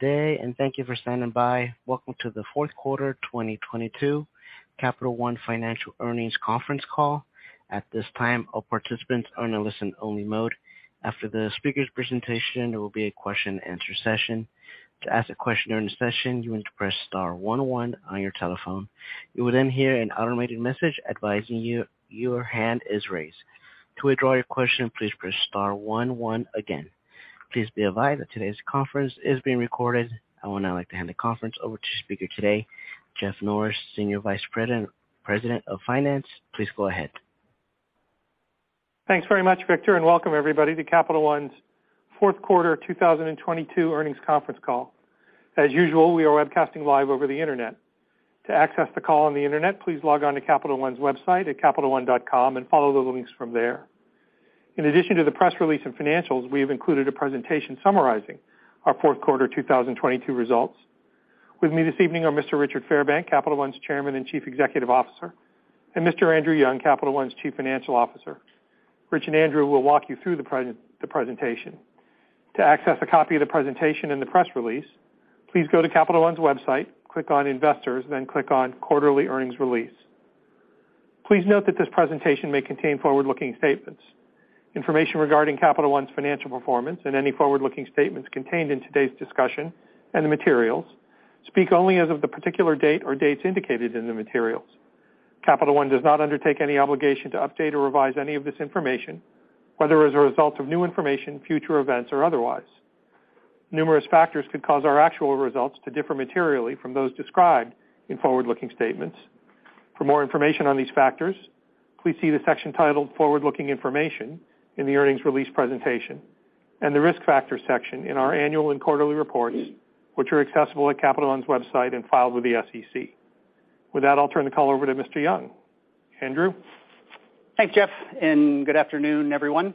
Good day, and thank you for standing by. Welcome to the fourth quarter 2022 Capital One Financial earnings conference call. At this time, all participants are in a listen-only mode. After the speaker's presentation, there will be a question and answer session. To ask a question during the session, you need to press Star one one on your telephone. You will then hear an automated message advising you your hand is raised. To withdraw your question, please press Star one one again. Please be advised that today's conference is being recorded. I would now like to hand the conference over to speaker today, Jeff Norris, Senior Vice President of Finance. Please go ahead. Thanks very much, Victor, welcome everybody to Capital One's fourth quarter 2022 earnings conference call. As usual, we are webcasting live over the Internet. To access the call on the Internet, please log on to Capital One's website at capitalone.com and follow the links from there. In addition to the press release and financials, we have included a presentation summarizing our fourth quarter 2022 results. With me this evening are Mr. Richard Fairbank, Capital One's Chairman and Chief Executive Officer, and Mr. Andrew Young, Capital One's Chief Financial Officer. Rich and Andrew will walk you through the presentation. To access a copy of the presentation and the press release, please go to Capital One's website, click on Investors, click on Quarterly Earnings Release. Please note that this presentation may contain forward-looking statements. Information regarding Capital One's financial performance and any forward-looking statements contained in today's discussion and the materials speak only as of the particular date or dates indicated in the materials. Capital One does not undertake any obligation to update or revise any of this information, whether as a result of new information, future events, or otherwise. Numerous factors could cause our actual results to differ materially from those described in forward-looking statements. For more information on these factors, please see the section titled Forward-Looking Information in the Earnings Release Presentation and the Risk Factors section in our annual and quarterly reports, which are accessible at Capital One's website and filed with the SEC. With that, I'll turn the call over to Mr. Young. Andrew. Thanks, Jeff. Good afternoon, everyone.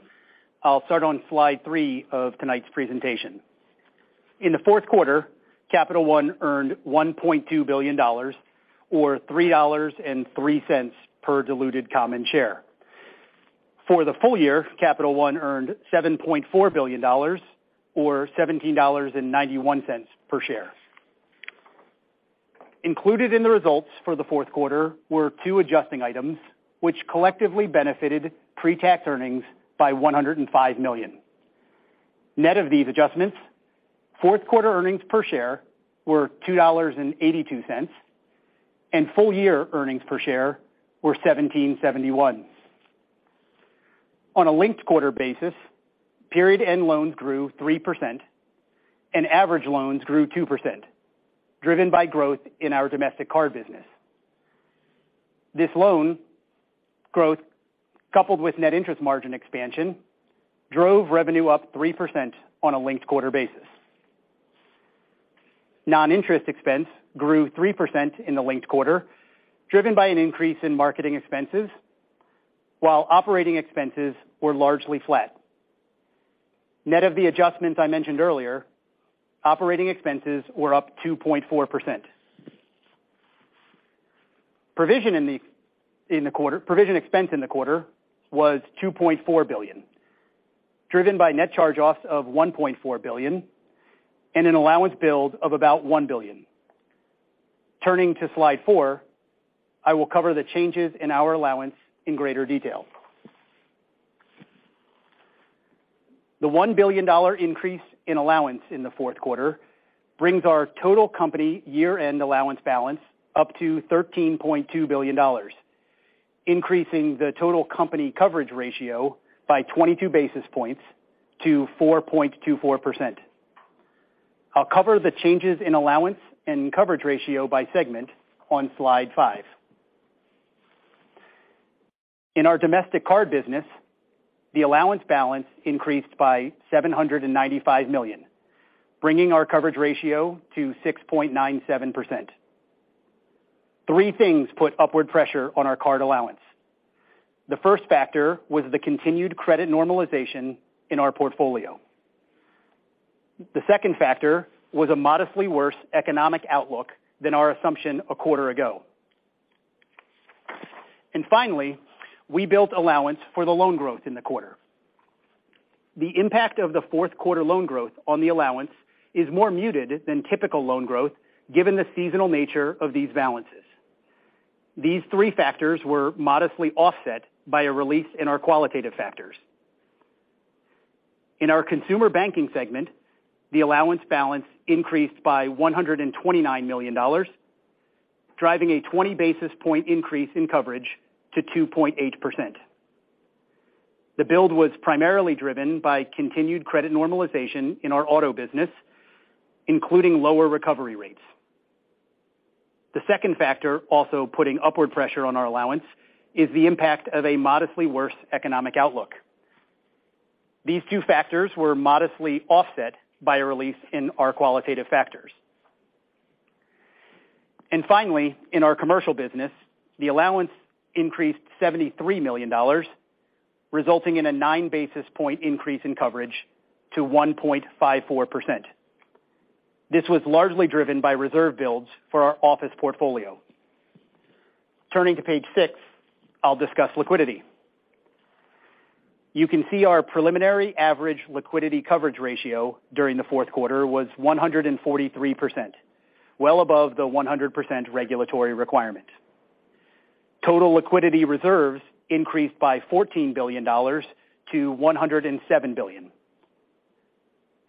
I'll start on slide three of tonight's presentation. In the fourth quarter, Capital One earned $1.2 billion or $3.03 per diluted common share. For the full year, Capital One earned $7.4 billion or $17.91 per share. Included in the results for the fourth quarter were two adjusting items, which collectively benefited pre-tax earnings by $105 million. Net of these adjustments, fourth quarter earnings per share were $2.82, and full-year earnings per share were $17.71. On a linked-quarter basis, period end loans grew 3% and average loans grew 2%, driven by growth in our domestic card business. This loan growth, coupled with net interest margin expansion, drove revenue up 3% on a linked-quarter basis. Non-interest expense grew 3% in the linked quarter, driven by an increase in marketing expenses, while operating expenses were largely flat. Net of the adjustments I mentioned earlier, operating expenses were up 2.4%. Provision expense in the quarter was $2.4 billion, driven by net charge-offs of $1.4 billion and an allowance build of about $1 billion. Turning to slide four, I will cover the changes in our allowance in greater detail. The $1 billion increase in allowance in the fourth quarter brings our total company year-end allowance balance up to $13.2 billion, increasing the total company coverage ratio by 22 basis points to 4.24%. I'll cover the changes in allowance and coverage ratio by segment on slide five. In our domestic card business, the allowance balance increased by $795 million, bringing our coverage ratio to 6.97%. Three things put upward pressure on our card allowance. The first factor was the continued credit normalization in our portfolio. The second factor was a modestly worse economic outlook than our assumption a quarter ago. Finally, we built allowance for the loan growth in the quarter. The impact of the fourth quarter loan growth on the allowance is more muted than typical loan growth given the seasonal nature of these balances. These three factors were modestly offset by a release in our qualitative factors. In our consumer banking segment, the allowance balance increased by $129 million, driving a 20 basis point increase in coverage to 2.8%. The build was primarily driven by continued credit normalization in our auto business, including lower recovery rates. The second factor also putting upward pressure on our allowance is the impact of a modestly worse economic outlook. These two factors were modestly offset by a release in our qualitative factors. Finally, in our commercial business, the allowance increased $73 million, resulting in a 9 basis point increase in coverage to 1.54%. This was largely driven by reserve builds for our office portfolio. Turning to page six, I'll discuss liquidity. You can see our preliminary average Liquidity Coverage Ratio during the fourth quarter was 143%, well above the 100% regulatory requirement. Total liquidity reserves increased by $14 billion to $107 billion.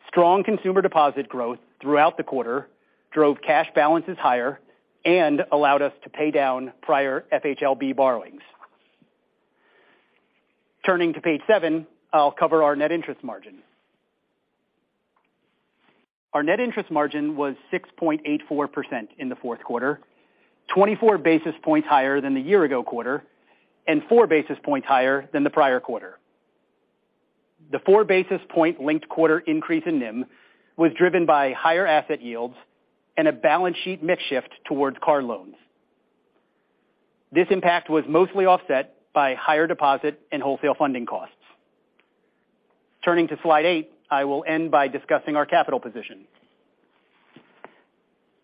Strong consumer deposit growth throughout the quarter drove cash balances higher and allowed us to pay down prior FHLB borrowings. Turning to page seven, I'll cover our net interest margin. Our net interest margin was 6.84% in the 4th quarter, 24 basis points higher than the year ago quarter, and 4 basis points higher than the prior quarter. The 4 basis point linked quarter increase in NIM was driven by higher asset yields and a balance sheet mix shift towards car loans. This impact was mostly offset by higher deposit and wholesale funding costs. Turning to slide eight, I will end by discussing our capital position.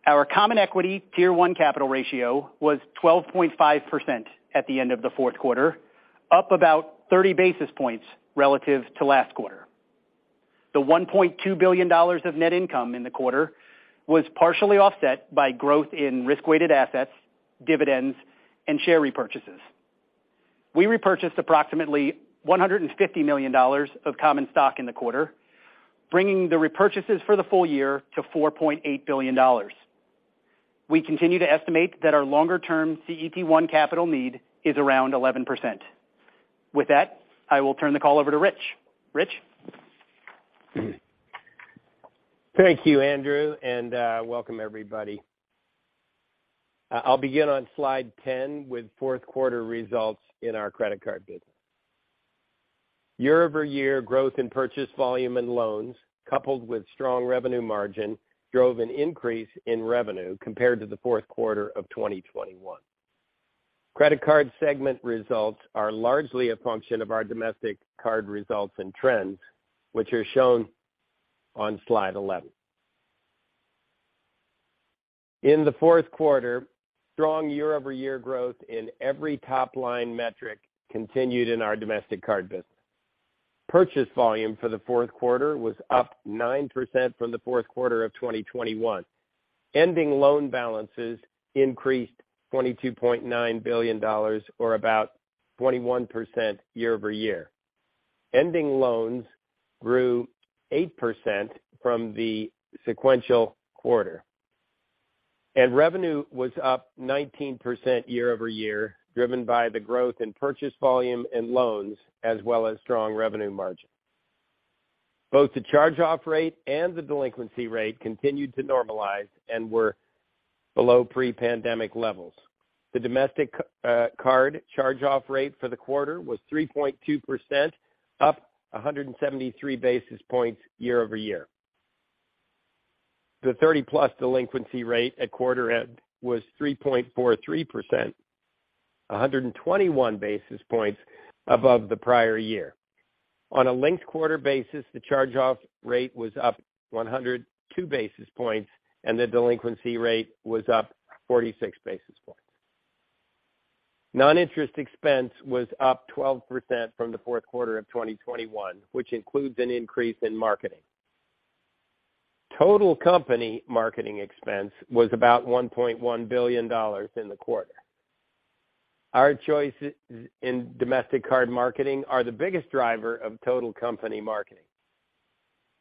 Our Common Equity Tier 1 capital ratio was 12.5% at the end of the 4th quarter, up about 30 basis points relative to last quarter. The $1.2 billion of net income in the quarter was partially offset by growth in risk-weighted assets, dividends, and share repurchases. We repurchased approximately $150 million of common stock in the quarter, bringing the repurchases for the full year to $4.8 billion. We continue to estimate that our longer-term CET1 capital need is around 11%. I will turn the call over to Rich. Rich? Thank you, Andrew, welcome everybody. I'll begin on slide 10 with fourth quarter results in our credit card business. Year-over-year growth in purchase volume and loans, coupled with strong revenue margin, drove an increase in revenue compared to the fourth quarter of 2021. Credit Card Segment results are largely a function of our Domestic Card results and trends, which are shown on slide 11. In the fourth quarter, strong year-over-year growth in every top-line metric continued in our Domestic Card business. Purchase volume for the fourth quarter was up 9% from the fourth quarter of 2021. Ending loan balances increased $22.9 billion or about 21% year-over-year. Ending loans grew 8% from the sequential quarter. Revenue was up 19% year-over-year, driven by the growth in purchase volume and loans as well as strong revenue margin. Both the charge-off rate and the delinquency rate continued to normalize and were below pre-pandemic levels. The Domestic Card charge-off rate for the quarter was 3.2%, up 173 basis points year-over-year. The 30-plus delinquency rate at quarter end was 3.43%, 121 basis points above the prior year. On a linked quarter basis, the charge-off rate was up 102 basis points, and the delinquency rate was up 46 basis points. Non-interest expense was up 12% from the fourth quarter of 2021, which includes an increase in marketing. Total company marketing expense was about $1.1 billion in the quarter. Our choices in domestic card marketing are the biggest driver of total company marketing.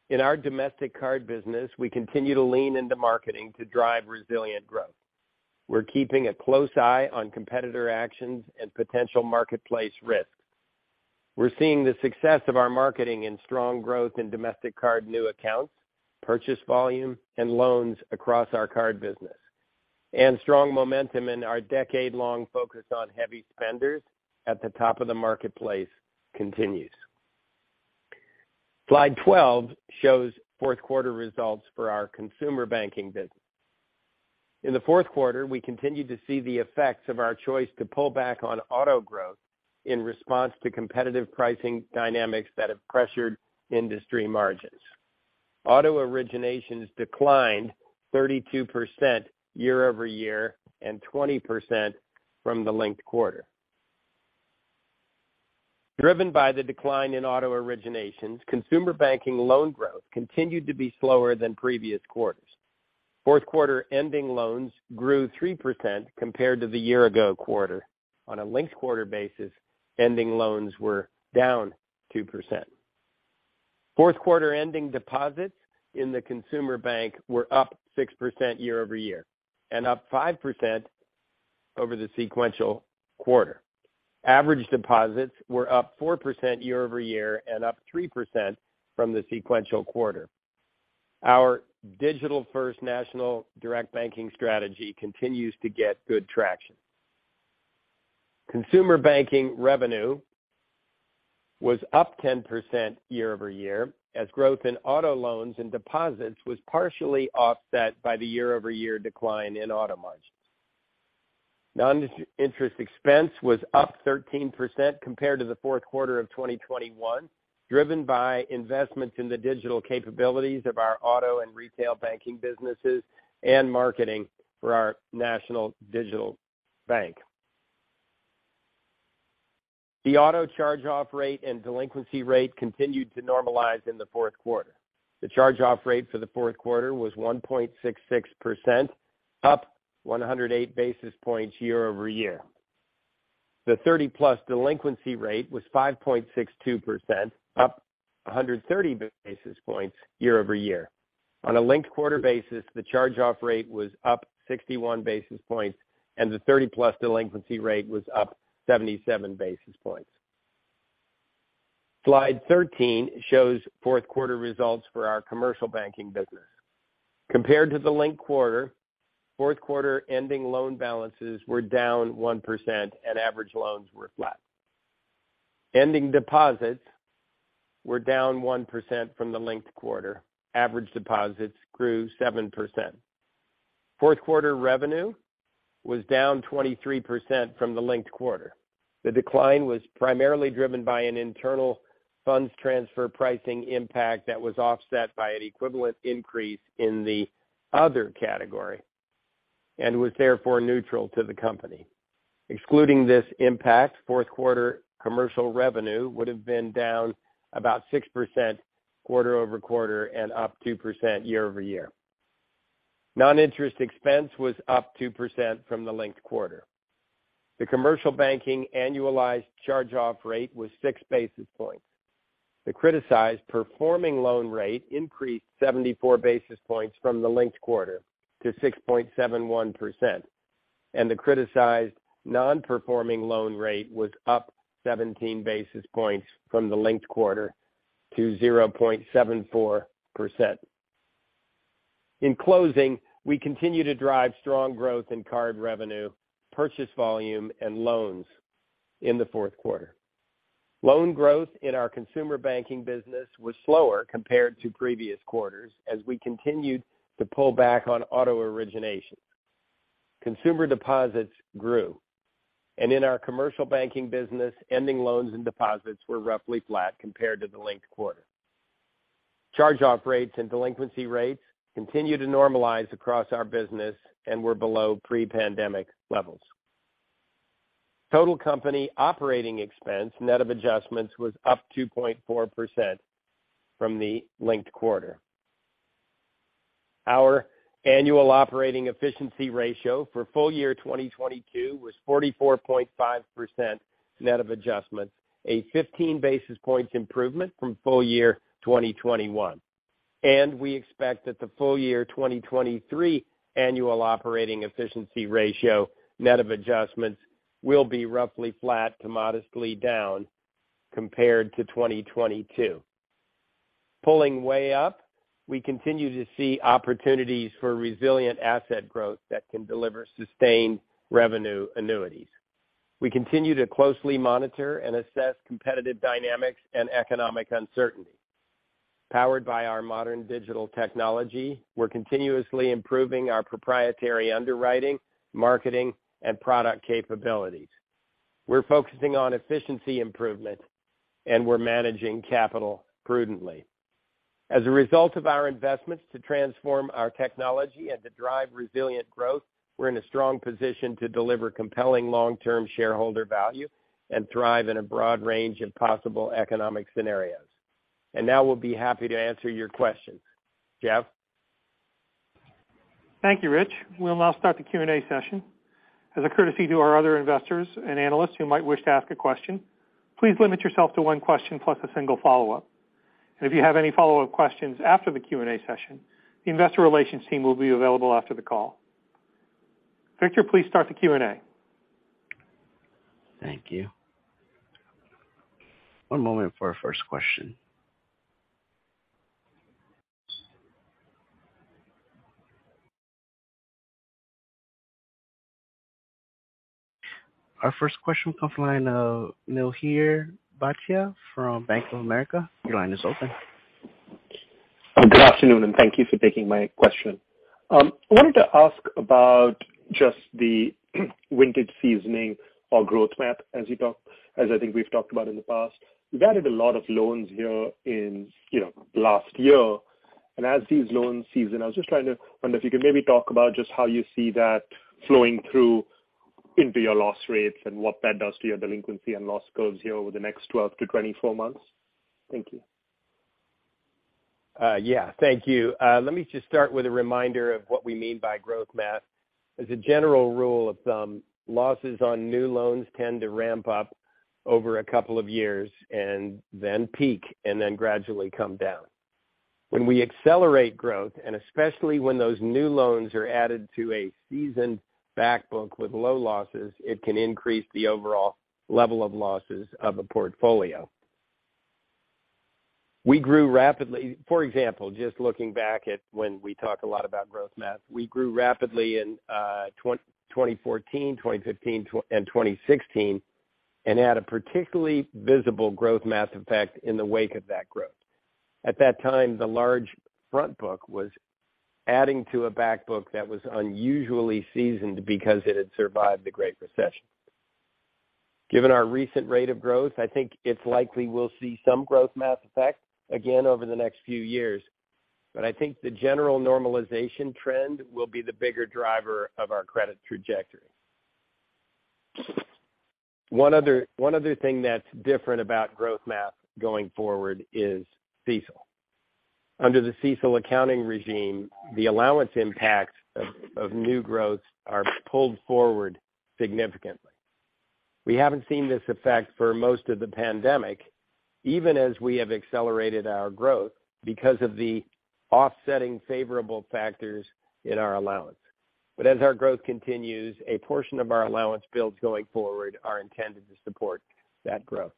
In our Domestic Card business, we continue to lean into marketing to drive resilient growth. We're keeping a close eye on competitor actions and potential marketplace risks. We're seeing the success of our marketing and strong growth in domestic card new accounts, purchase volume, and loans across our card business. Strong momentum in our decade-long focus on heavy spenders at the top of the marketplace continues. Slide 12 shows fourth quarter results for our consumer banking business. In the fourth quarter, we continued to see the effects of our choice to pull back on auto growth in response to competitive pricing dynamics that have pressured industry margins. Auto originations declined 32% year-over-year and 20% from the linked quarter. Driven by the decline in auto originations, consumer banking loan growth continued to be slower than previous quarters. Fourth quarter ending loans grew 3% compared to the year ago quarter. On a linked quarter basis, ending loans were down 2%. Fourth quarter ending deposits in the consumer bank were up 6% year-over-year and up 5% over the sequential quarter. Average deposits were up 4% year-over-year and up 3% from the sequential quarter. Our digital-first national direct banking strategy continues to get good traction. Consumer banking revenue was up 10% year-over-year as growth in auto loans and deposits was partially offset by the year-over-year decline in auto margins. Non-interest expense was up 13% compared to the fourth quarter of 2021, driven by investments in the digital capabilities of our auto and retail banking businesses and marketing for our national digital bank. The auto charge-off rate and delinquency rate continued to normalize in the fourth quarter. The charge-off rate for the fourth quarter was 1.66%, up 108 basis points year-over-year. The 30-plus delinquency rate was 5.62%, up 130 basis points year-over-year. On a linked quarter basis, the charge-off rate was up 61 basis points, and the 30-plus delinquency rate was up 77 basis points. Slide 13 shows fourth quarter results for our commercial banking business. Compared to the linked quarter, fourth quarter ending loan balances were down 1% and average loans were flat. Ending deposits were down 1% from the linked quarter. Average deposits grew 7%. Fourth quarter revenue was down 23% from the linked quarter. The decline was primarily driven by an internal funds transfer pricing impact that was offset by an equivalent increase in the other category and was therefore neutral to the company. Excluding this impact, fourth quarter commercial revenue would have been down about 6% quarter-over-quarter and up 2% year-over-year. Non-interest expense was up 2% from the linked quarter. The commercial banking annualized charge-off rate was 6 basis points. The criticized performing loan rate increased 74 basis points from the linked quarter to 6.71%, and the criticized non-performing loan rate was up 17 basis points from the linked quarter to 0.74%. In closing, we continue to drive strong growth in card revenue, purchase volume and loans in the fourth quarter. Loan growth in our consumer banking business was slower compared to previous quarters as we continued to pull back on auto origination. Consumer deposits grew. In our commercial banking business, ending loans and deposits were roughly flat compared to the linked quarter. Charge-Off Rates and Delinquency Rates continue to normalize across our business and were below pre-pandemic levels. Total company operating expense net of adjustments was up 2.4% from the linked quarter. Our annual operating efficiency ratio for full year 2022 was 44.5% net of adjustments, a 15 basis points improvement from full year 2021. We expect that the full year 2023 annual operating efficiency ratio net of adjustments will be roughly flat to modestly down compared to 2022. Pulling way up, we continue to see opportunities for resilient asset growth that can deliver sustained revenue annuities. We continue to closely monitor and assess competitive dynamics and economic uncertainty. Powered by our modern digital technology, we're continuously improving our proprietary underwriting, marketing and product capabilities. We're focusing on efficiency improvement and we're managing capital prudently. As a result of our investments to transform our technology and to drive resilient growth, we're in a strong position to deliver compelling long-term shareholder value and thrive in a broad range of possible economic scenarios. Now we'll be happy to answer your questions. Jeff? Thank you, Rich. We'll now start the Q&A session. As a courtesy to our other investors and analysts who might wish to ask a question, please limit yourself to one question plus a single follow-up. If you have any follow-up questions after the Q&A session, the investor relations team will be available after the call. Victor, please start the Q&A. Thank you. One moment for our first question. Our first question comes from the line of Mihir Bhatia from Bank of America. Your line is open. Good afternoon. Thank you for taking my question. I wanted to ask about just the Weighted Seasoning or Growth Math as I think we've talked about in the past. You've added a lot of loans here in, you know, last year. As these loans season, I was just trying to wonder if you could maybe talk about just how you see that flowing through into your loss rates and what that does to your delinquency and loss curves here over the next 12-24 months. Thank you. Yeah. Thank you. Let me just start with a reminder of what we mean by Growth Math. As a general rule of thumb, losses on new loans tend to ramp up over a couple of years and then peak and then gradually come down. When we accelerate growth, and especially when those new loans are added to a seasoned back book with low losses, it can increase the overall level of losses of a portfolio. We grew rapidly. For example, just looking back at when we talk a lot about Growth Math, we grew rapidly in 2014, 2015, and 2016, and had a particularly visible Growth Math effect in the wake of that growth. At that time, the large front book was adding to a back book that was unusually seasoned because it had survived the Great Recession. Given our recent rate of growth, I think it's likely we'll see some Growth Math effect again over the next few years. I think the general normalization trend will be the bigger driver of our credit trajectory. One other thing that's different about Growth Math going forward is CECL. Under the CECL accounting regime, the allowance impact of new growths are pulled forward significantly. We haven't seen this effect for most of the pandemic, even as we have accelerated our growth because of the offsetting favorable factors in our allowance. As our growth continues, a portion of our allowance builds going forward are intended to support that growth.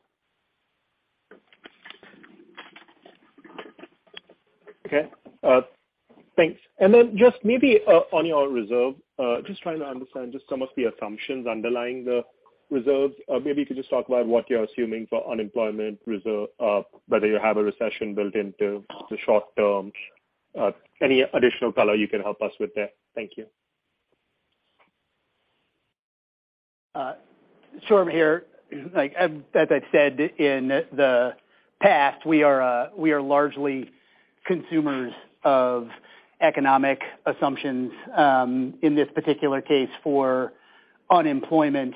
Okay. Thanks. Just maybe on your reserve, just trying to understand just some of the assumptions underlying the reserves. Maybe you could just talk about what you're assuming for unemployment reserve, whether you have a recession built into the short term, any additional color you can help us with there. Thank you. Sharm here. Like, as I've said in the past, we are largely consumers of economic assumptions. In this particular case for unemployment,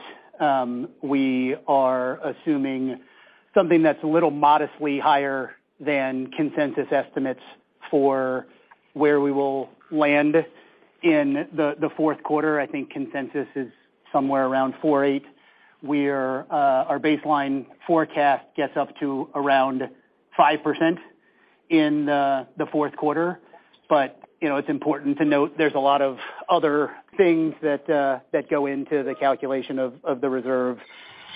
we are assuming something that's a little modestly higher than consensus estimates for where we will land in the fourth quarter. I think consensus is somewhere around 4.8%, where our baseline forecast gets up to around 5% in the fourth quarter. You know, it's important to note there's a lot of other things that go into the calculation of the reserve.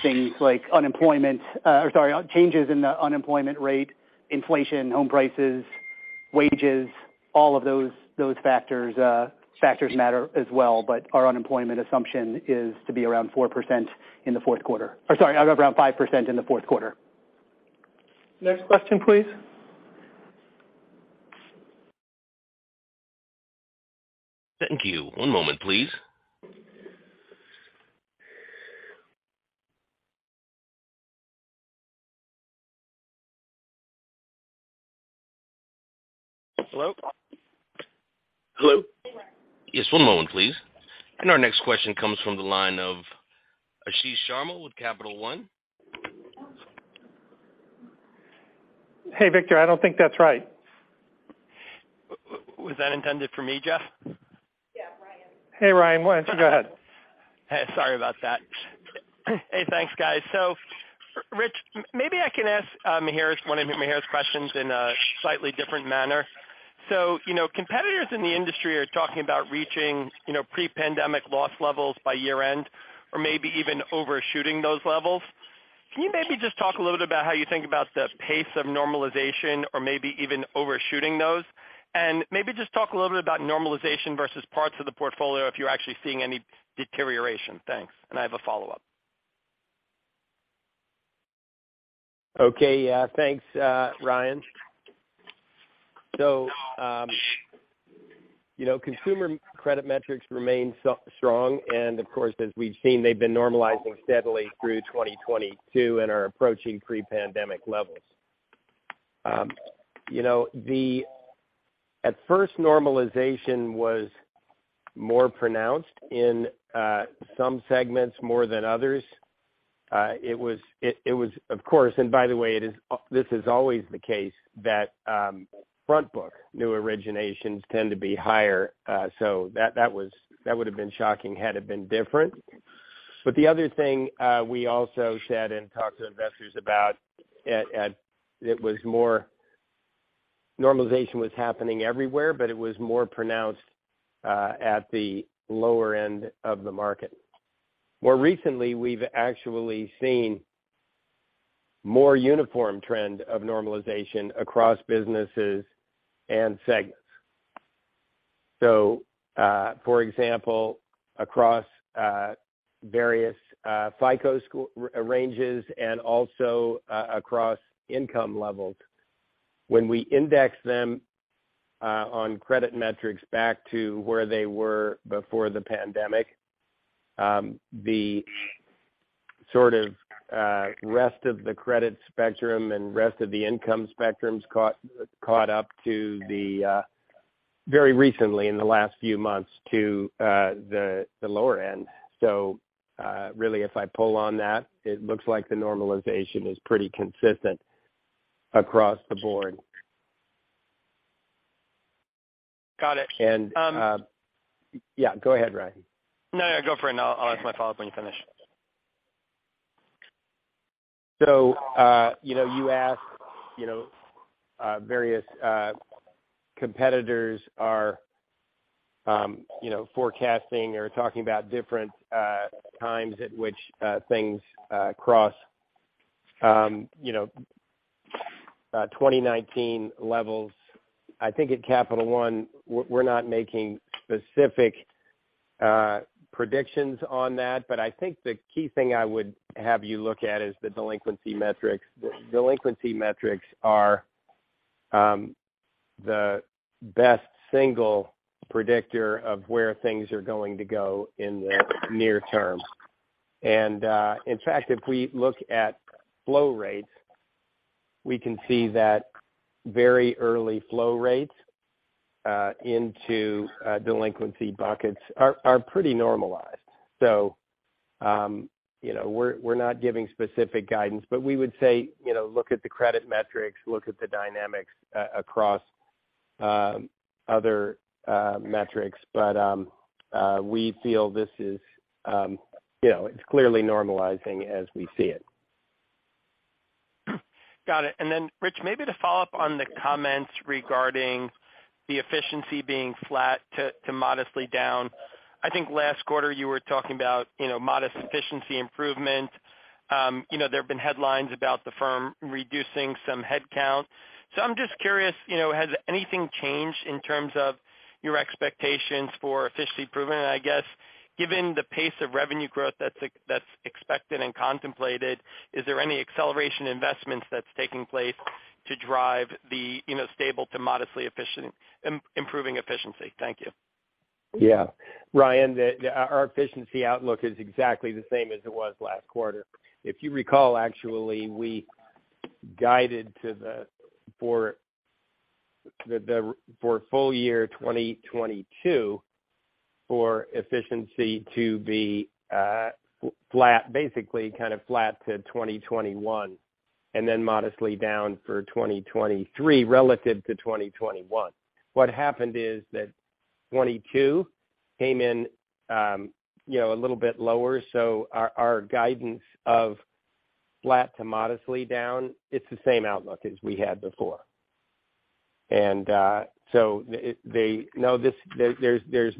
Things like sorry, changes in the unemployment rate, inflation, home prices, wages, all of those factors matter as well. Our unemployment assumption is to be around 4% in the fourth quarter. Or sorry, around 5% in the fourth quarter. Next question, please. Thank you. One moment, please. Hello? Hello. Yes. One moment, please. Our next question comes from the line of Ashish Sharma with Capital One. Hey, Victor. I don't think that's right. Was that intended for me, Jeff? Yeah, Ryan. Hey, Ryan. Why don't you go ahead? Sorry about that. Hey, thanks, guys. Rich, maybe I can ask one of Mihir's questions in a slightly different manner. You know, competitors in the industry are talking about reaching, you know, pre-pandemic loss levels by year-end or maybe even overshooting those levels. Can you maybe just talk a little bit about how you think about the pace of normalization or maybe even overshooting those? Maybe just talk a little bit about normalization versus parts of the portfolio if you're actually seeing any deterioration. Thanks. I have a follow-up. Okay. Yeah. Thanks, Ryan. You know, consumer credit metrics remain so strong. Of course, as we've seen, they've been normalizing steadily through 2022 and are approaching pre-pandemic levels. You know, at first, normalization was more pronounced in some segments more than others. It was of course, and by the way, this is always the case that front book new originations tend to be higher, so that would have been shocking had it been different. The other thing we also said and talked to investors about it was more normalization was happening everywhere, but it was more pronounced at the lower end of the market. More recently, we've actually seen more uniform trend of normalization across businesses and segments. For example, across various FICO ranges and also across income levels. When we index them on credit metrics back to where they were before the pandemic, the sort of rest of the credit spectrum and rest of the income spectrums caught up to the very recently in the last few months to the lower end. Really, if I pull on that, it looks like the normalization is pretty consistent across the board. Got it. Yeah, go ahead, Ryan. No, no, go for it, and I'll ask my follow-up when you finish. You know, you asked, you know, various competitors are, you know, forecasting or talking about different times at which things cross, you know, 2019 levels. I think at Capital One, we're not making specific predictions on that. I think the key thing I would have you look at is the delinquency metrics. The delinquency metrics are the best single predictor of where things are going to go in the near term. In fact, if we look at flow rates, we can see that very early flow rates into delinquency buckets are pretty normalized. You know, we're not giving specific guidance, but we would say, you know, look at the credit metrics, look at the dynamics across other metrics. We feel this is, you know, it's clearly normalizing as we see it. Got it. Rich, maybe to follow up on the comments regarding the efficiency being flat to modestly down. I think last quarter you were talking about, you know, modest efficiency improvement. You know, there have been headlines about the firm reducing some headcount. I'm just curious, you know, has anything changed in terms of your expectations for efficiency improvement? I guess, given the pace of revenue growth that's expected and contemplated, is there any acceleration investments that's taking place to drive the, you know, stable to modestly improving efficiency? Thank you. Yeah. Ryan, our efficiency outlook is exactly the same as it was last quarter. If you recall, actually, we guided for full year 2022 for efficiency to be flat, basically kind of flat to 2021, and then modestly down for 2023 relative to 2021. What happened is that 22 came in, you know, a little bit lower. Our guidance of flat to modestly down, it's the same outlook as we had before. There's,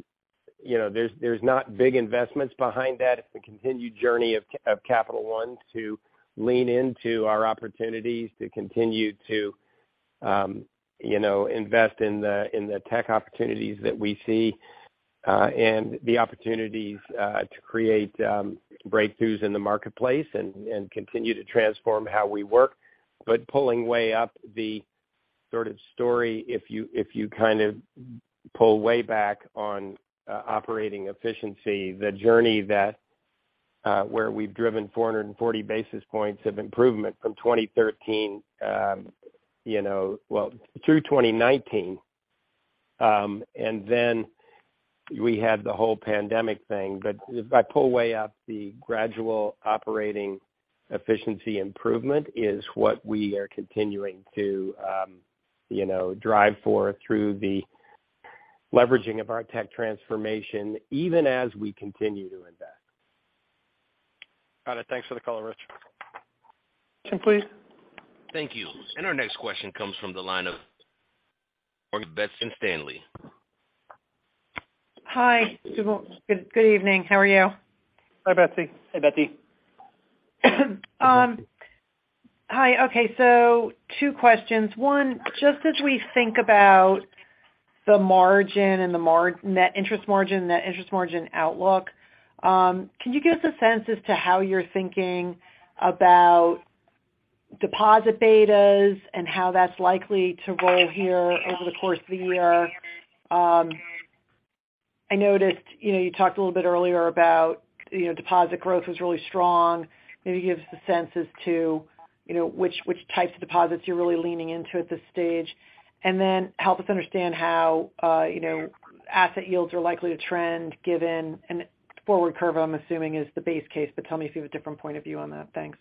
you know, there's not big investments behind that. It's the continued journey of Capital One to lean into our opportunities to continue to, you know, invest in the, in the tech opportunities that we see, and the opportunities to create breakthroughs in the marketplace and continue to transform how we work. Pulling way up the sort of story, if you, if you kind of pull way back on operating efficiency, the journey that where we've driven 440 basis points of improvement from 2013, you know, well, through 2019, and then we had the whole pandemic thing. If I pull way up the gradual operating efficiency improvement is what we are continuing to, you know, drive for through the leveraging of our tech transformation, even as we continue to invest. Got it. Thanks for the call, Rich. Please. Thank you. Our next question comes from the line of Betsy Graseck. Hi. Good evening. How are you? Hi, Betsy. Hey, Betsy. Hi. Okay, two questions. One, just as we think about the margin and the net interest margin, net interest margin outlook, can you give us a sense as to how you're thinking about deposit betas and how that's likely to roll here over the course of the year? I noticed, you know, you talked a little bit earlier about, you know, deposit growth was really strong. Maybe give us a sense as to, you know, which types of deposits you're really leaning into at this stage. Help us understand how, you know, asset yields are likely to trend given. Forward curve, I'm assuming is the base case, but tell me if you have a different point of view on that. Thanks.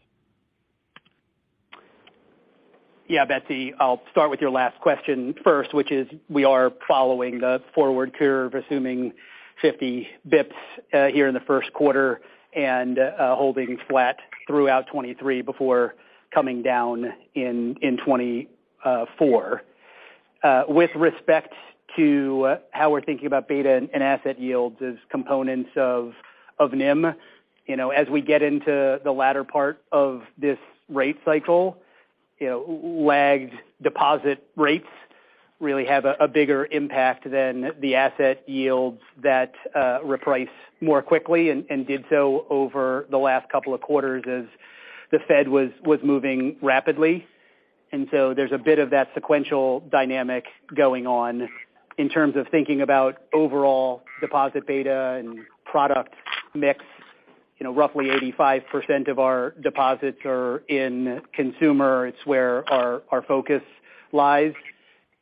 Yeah, Betsy. I'll start with your last question first, which is we are following the forward curve, assuming 50 basis points here in the first quarter and holding flat throughout 2023 before coming down in 2024. With respect to how we're thinking about beta and asset yields as components of NIM, you know, as we get into the latter part of this rate cycle, you know, lagged deposit rates really have a bigger impact than the asset yields that reprice more quickly and did so over the last couple of quarters as the Fed was moving rapidly. There's a bit of that sequential dynamic going on in terms of thinking about overall deposit beta and product mix. You know, roughly 85% of our deposits are in consumer. It's where our focus lies.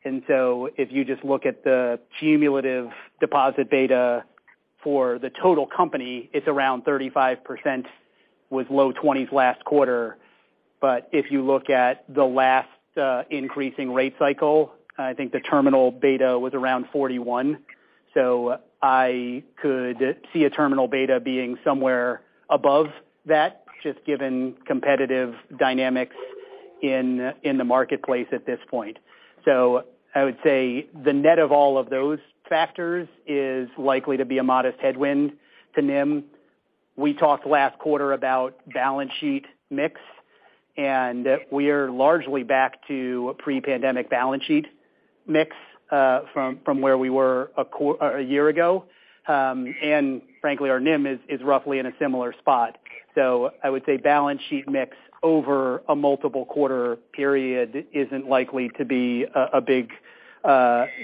If you just look at the cumulative deposit beta for the total company, it's around 35%, was low 20s last quarter. If you look at the last increasing rate cycle, I think the terminal beta was around 41. I could see a terminal beta being somewhere above that, just given competitive dynamics in the marketplace at this point. I would say the net of all of those factors is likely to be a modest headwind to NIM. We talked last quarter about balance sheet mix, and we are largely back to pre-pandemic balance sheet mix from where we were a year ago. Frankly, our NIM is roughly in a similar spot. I would say balance sheet mix over a multiple quarter period isn't likely to be a big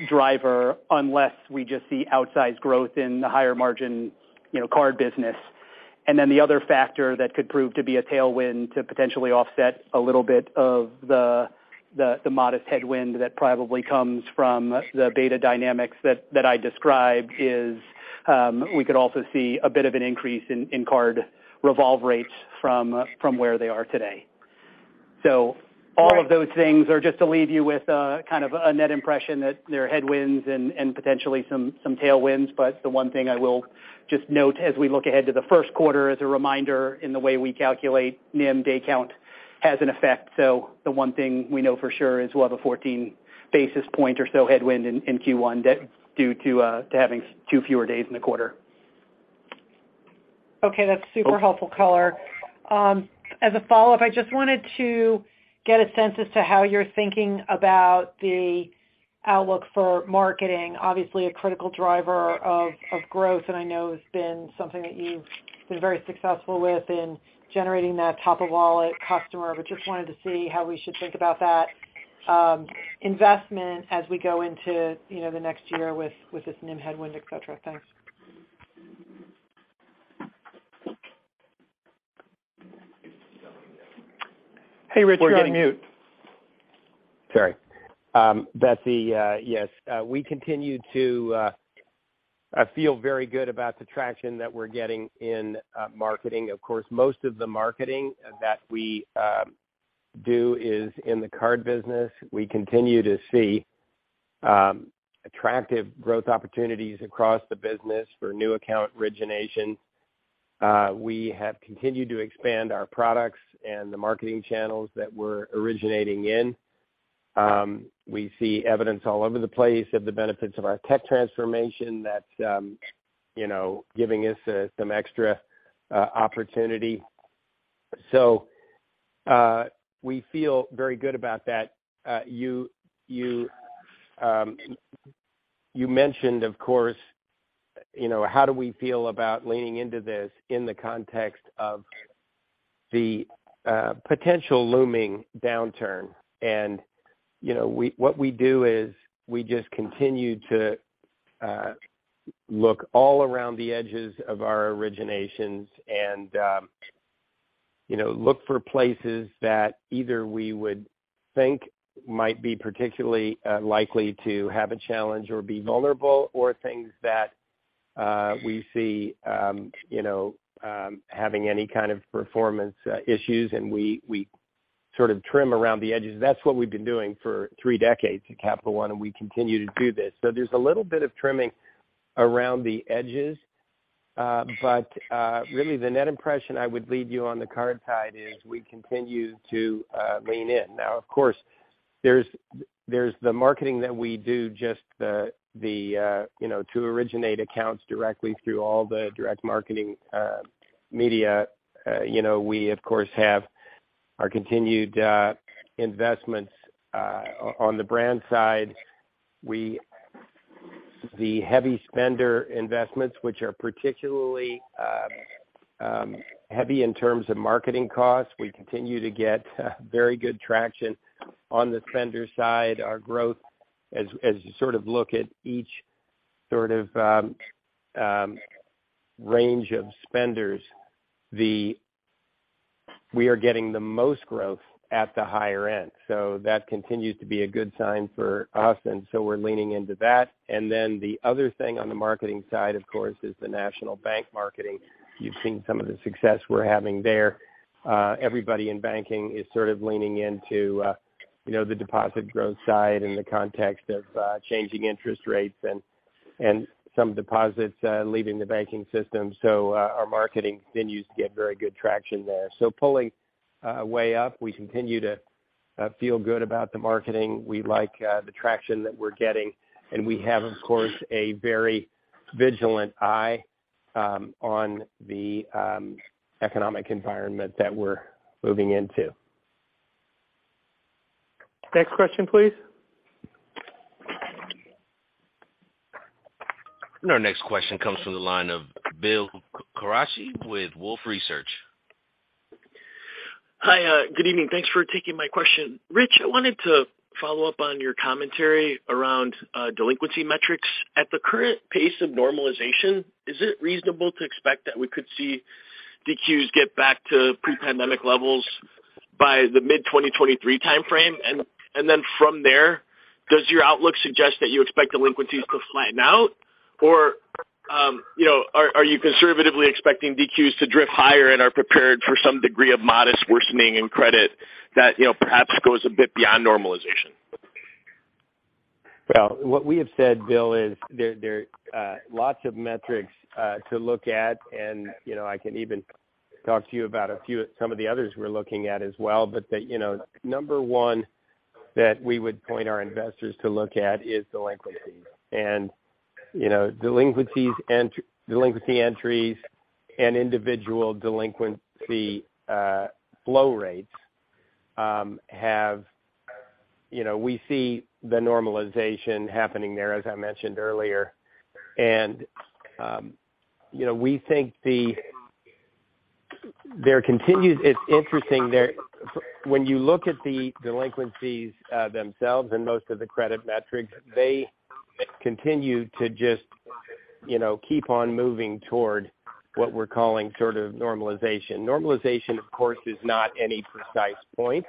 driver unless we just see outsized growth in the higher margin, you know, card business. Then the other factor that could prove to be a tailwind to potentially offset a little bit of the modest headwind that probably comes from the beta dynamics that I described is, we could also see a bit of an increase in card revolve rates from where they are today. All of those things are just to leave you with kind of a net impression that there are headwinds and potentially some tailwinds. The one thing I will just note as we look ahead to the first quarter, as a reminder in the way we calculate NIM day count has an effect. The one thing we know for sure is we'll have a 14 basis point or so headwind in Q1 due to having two fewer days in the quarter. Okay. That's super helpful color. As a follow-up, I just wanted to get a sense as to how you're thinking about the outlook for marketing. Obviously, a critical driver of growth that I know has been something that you've been very successful with in generating that top of wallet customer. Just wanted to see how we should think about that investment as we go into, you know, the next year with this NIM headwind, et cetera. Thanks. Hey, Rich, you're on mute. Sorry. Betsy, yes, we continue to feel very good about the traction that we're getting in marketing. Of course, most of the marketing that we do is in the card business. We continue to see attractive growth opportunities across the business for new account origination. We have continued to expand our products and the marketing channels that we're originating in. We see evidence all over the place of the benefits of our tech transformation that's, you know, giving us some extra opportunity. We feel very good about that. You mentioned, of course, you know, how do we feel about leaning into this in the context of the potential looming downturn. You know, what we do is we just continue to look all around the edges of our originations and, you know, look for places that either we would think might be particularly likely to have a challenge or be vulnerable, or things that we see, you know, having any kind of performance issues, and we sort of trim around the edges. That's what we've been doing for three decades at Capital One, and we continue to do this. There's a little bit of trimming around the edges. Really the net impression I would leave you on the card side is we continue to lean in. Now, of course, there's the marketing that we do just the, you know, to originate accounts directly through all the direct marketing media. You know, we of course have our continued investments on the brand side. The heavy spender investments, which are particularly heavy in terms of marketing costs. We continue to get very good traction on the spender side. Our growth as you sort of look at each sort of range of spenders, we are getting the most growth at the higher end. That continues to be a good sign for us, and so we're leaning into that. The other thing on the marketing side, of course, is the national bank marketing. You've seen some of the success we're having there. Everybody in banking is sort of leaning into, you know, the deposit growth side in the context of changing interest rates and some deposits leaving the banking system. Our marketing continues to get very good traction there. Pulling, way up, we continue to feel good about the marketing. We like, the traction that we're getting, and we have, of course, a very vigilant eye, on the economic environment that we're moving into. Next question, please. Our next question comes from the line of Bill Carcache with Wolfe Research. Hi, good evening. Thanks for taking my question. Rich, I wanted to follow up on your commentary around delinquency metrics. At the current pace of normalization, is it reasonable to expect that we could see DQs get back to pre-pandemic levels by the mid-2023 timeframe? Then from there, does your outlook suggest that you expect delinquencies to flatten out? You know, are you conservatively expecting DQs to drift higher and are prepared for some degree of modest worsening in credit that, you know, perhaps goes a bit beyond normalization? Well, what we have said, Bill, is there lots of metrics, to look at. You know, I can even talk to you about a few, some of the others we're looking at as well. The, you know, number one that we would point our investors to look at is delinquencies. You know, delinquencies and delinquency entries and individual delinquency, flow rates, have, you know, we see the normalization happening there, as I mentioned earlier. You know, we think there continues. It's interesting there. When you look at the delinquencies, themselves and most of the credit metrics, they continue to just, you know, keep on moving toward what we're calling sort of normalization. Normalization, of course, is not any precise point.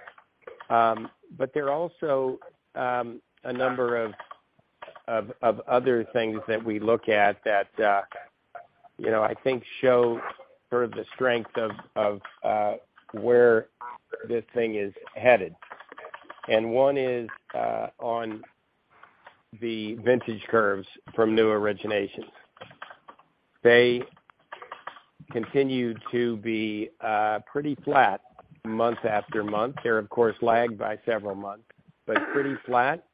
There are also a number of other things that we look at that I think show sort of the strength of where this thing is headed. One is on the vintage curves from new originations. They continue to be pretty flat month after month. They're, of course, lagged by several months, but pretty flat.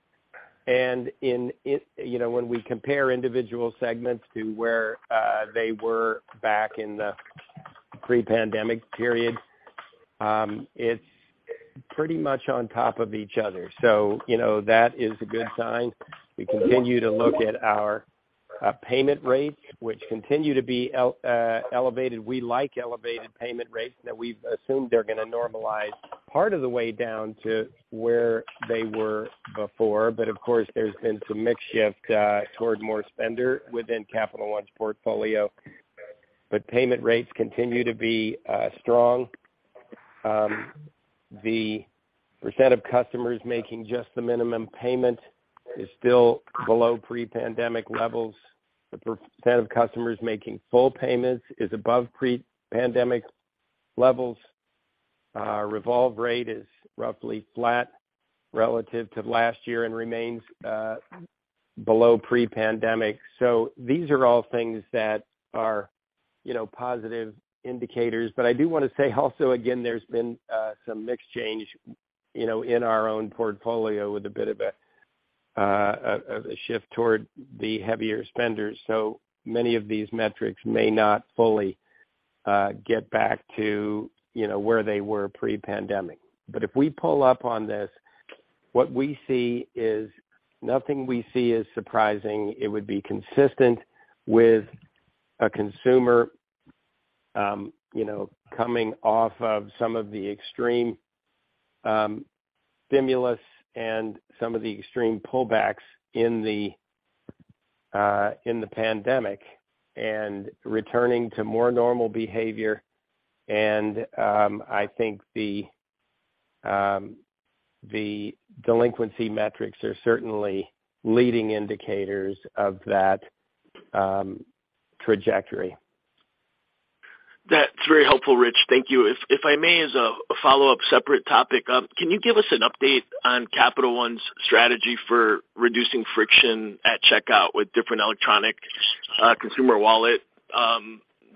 In, when we compare individual segments to where they were back in the pre-pandemic period, it's pretty much on top of each other. That is a good sign. We continue to look at our payment rates, which continue to be elevated. We like elevated payment rates, and we assume they're gonna normalize part of the way down to where they were before. Of course, there's been some mix shift toward more spender within Capital One's portfolio. Payment rates continue to be strong. The percent of customers making just the minimum payment is still below pre-pandemic levels. The percent of customers making full payments is above pre-pandemic levels. Revolve rate is roughly flat relative to last year and remains below pre-pandemic. These are all things that are, you know, positive indicators. I do wanna say also again, there's been some mix change, you know, in our own portfolio with a bit of a shift toward the heavier spenders. Many of these metrics may not fully get back to, you know, where they were pre-pandemic. If we pull up on this, what we see is nothing we see as surprising. It would be consistent with a consumer, you know, coming off of some of the extreme stimulus and some of the extreme pullbacks in the pandemic and returning to more normal behavior. I think the delinquency metrics are certainly leading indicators of that trajectory. That's very helpful, Rich. Thank you. If I may, as a follow-up separate topic, can you give us an update on Capital One's strategy for reducing friction at checkout with different electronic consumer wallet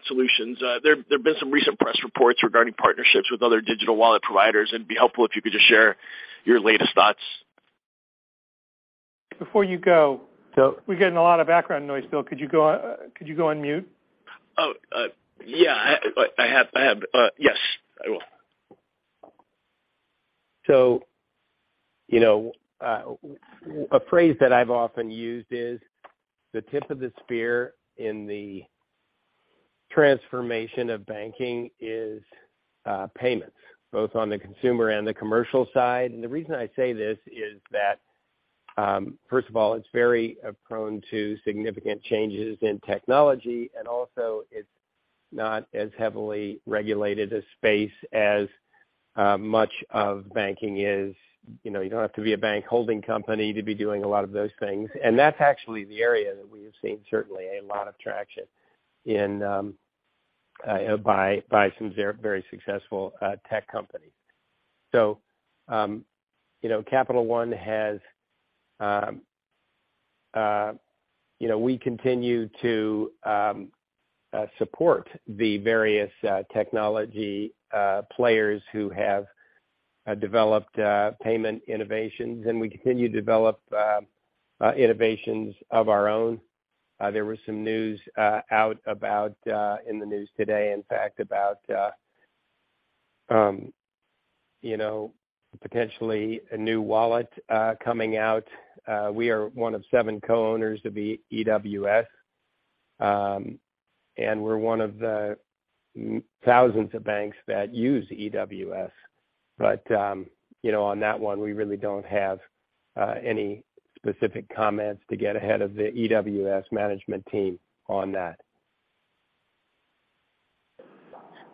solutions? There have been some recent press reports regarding partnerships with other digital wallet providers, it'd be helpful if you could just share your latest thoughts. Before you go. Sure. We're getting a lot of background noise, Bill. Could you go on mute? Yeah, I have. Yes, I will. You know, a phrase that I've often used is the tip of the spear in the transformation of banking is payments, both on the consumer and the commercial side. The reason I say this is that, first of all, it's very prone to significant changes in technology, and also it's not as heavily regulated a space as much of banking is. You know, you don't have to be a bank holding company to be doing a lot of those things. That's actually the area that we have seen certainly a lot of traction in by some very, very successful tech companies. You know, Capital One has, you know, we continue to support the various technology players who have developed payment innovations, and we continue to develop innovations of our own. There was some news out about in the news today, in fact, about, you know, potentially a new wallet coming out. We are one of seven co-owners of EWS, and we're one of the thousands of banks that use EWS. You know, on that one, we really don't have any specific comments to get ahead of the EWS management team on that.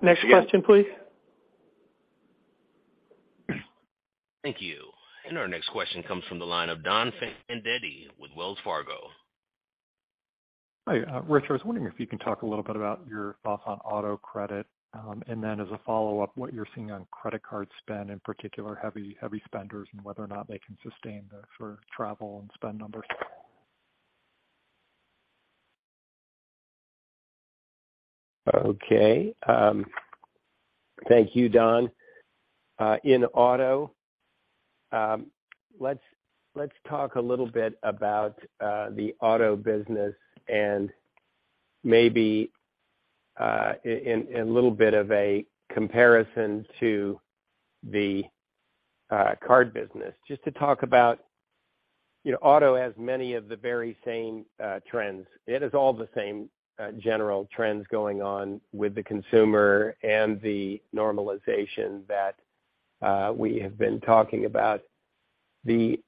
Next question, please. Thank you. Our next question comes from the line of Don Fandetti with Wells Fargo. Hi. Rich, I was wondering if you can talk a little bit about your thoughts on auto credit. As a follow-up, what you're seeing on credit card spend, in particular heavy spenders, and whether or not they can sustain for travel and spend numbers. Thank you, Don. In auto, let's talk a little bit about the auto business and maybe in little bit of a comparison to the card business. Just to talk about, you know, auto has many of the very same trends. It has all the same general trends going on with the consumer and the normalization that we have been talking about. The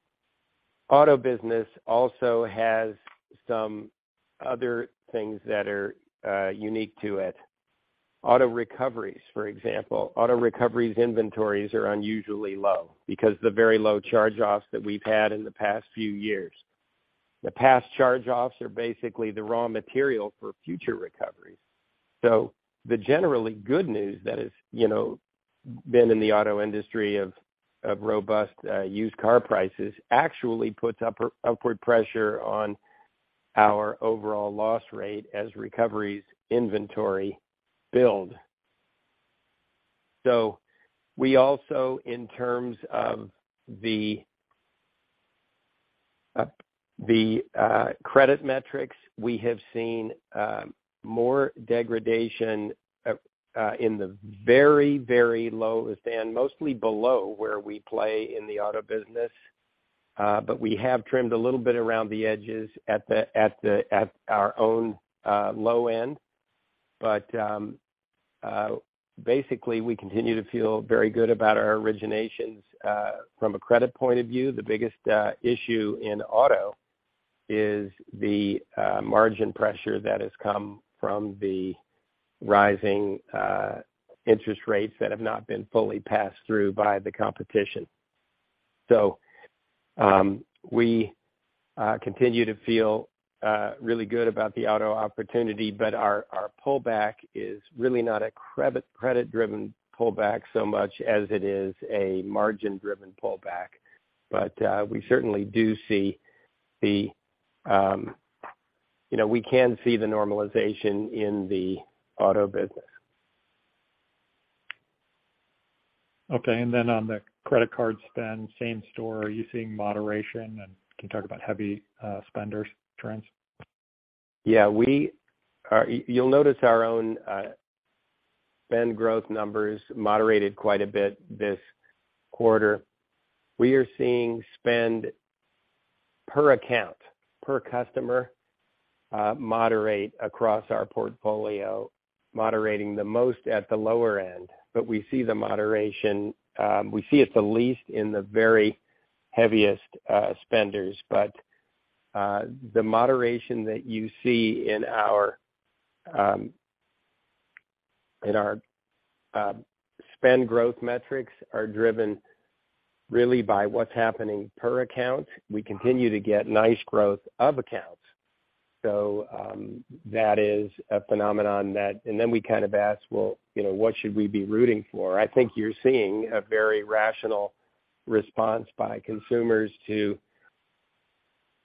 auto business also has some other things that are unique to it. Auto recoveries, for example. Auto recoveries inventories are unusually low because of the very low charge-offs that we've had in the past few years. The past charge-offs are basically the raw material for future recoveries. The generally good news that has, you know, been in the auto industry of robust used car prices actually puts upward pressure on our overall loss rate as recoveries inventory build. We also, in terms of the credit metrics, we have seen more degradation in the very lowest end, mostly below where we play in the auto business. We have trimmed a little bit around the edges at our own low end. Basically, we continue to feel very good about our originations from a credit point of view. The biggest issue in auto is the margin pressure that has come from the rising interest rates that have not been fully passed through by the competition. We continue to feel really good about the auto opportunity, but our pullback is really not a credit-driven pullback so much as it is a margin-driven pullback. We certainly do see the, you know, we can see the normalization in the auto business. Then on the credit card spend, same store, are you seeing moderation? Can you talk about heavy spenders trends? We are you'll notice our own spend growth numbers moderated quite a bit this quarter. We are seeing spend per account, per customer, moderate across our portfolio, moderating the most at the lower end. We see the moderation. We see it the least in the very heaviest spenders. The moderation that you see in our in our spend growth metrics are driven really by what's happening per account. We continue to get nice growth of accounts. That is a phenomenon that. We kind of ask, "You know, what should we be rooting for?" I think you're seeing a very rational response by consumers to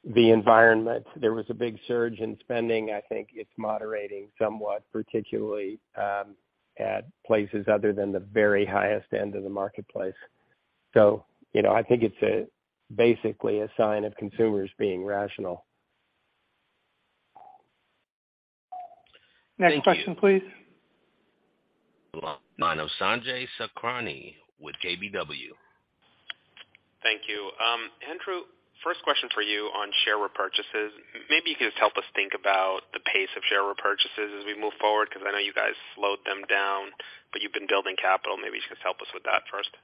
the environment. There was a big surge in spending. I think it's moderating somewhat, particularly at places other than the very highest end of the marketplace. You know, I think it's a, basically a sign of consumers being rational. Next question, please. Line of Sanjay Sakhrani with KBW. Thank you. Andrew, first question for you on share repurchases. Maybe you can just help us think about the pace of share repurchases as we move forward, 'cause I know you guys slowed them down, but you've been building capital. Maybe you can just help us with that first.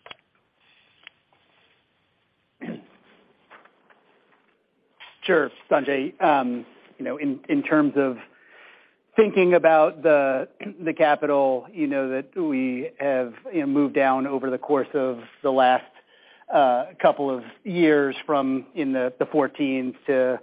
Sure, Sanjay. You know, in terms of thinking about the capital, you know, that we have, you know, moved down over the course of the last couple of years from in the 14s to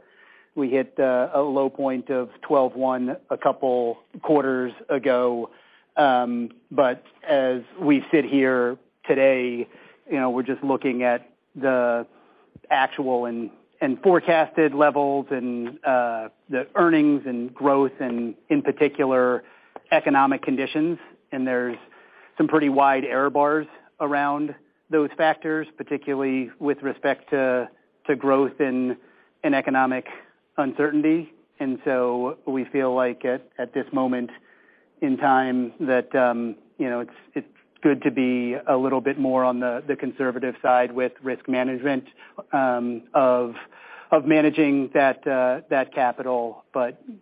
we hit a low point of 12.1 a couple quarters ago. As we sit here today, you know, we're just looking at the actual and forecasted levels and the earnings and growth and in particular economic conditions. There's some pretty wide error bars around those factors, particularly with respect to growth in economic uncertainty. We feel like at this moment in time that, you know, it's good to be a little bit more on the conservative side with risk management, of managing that capital.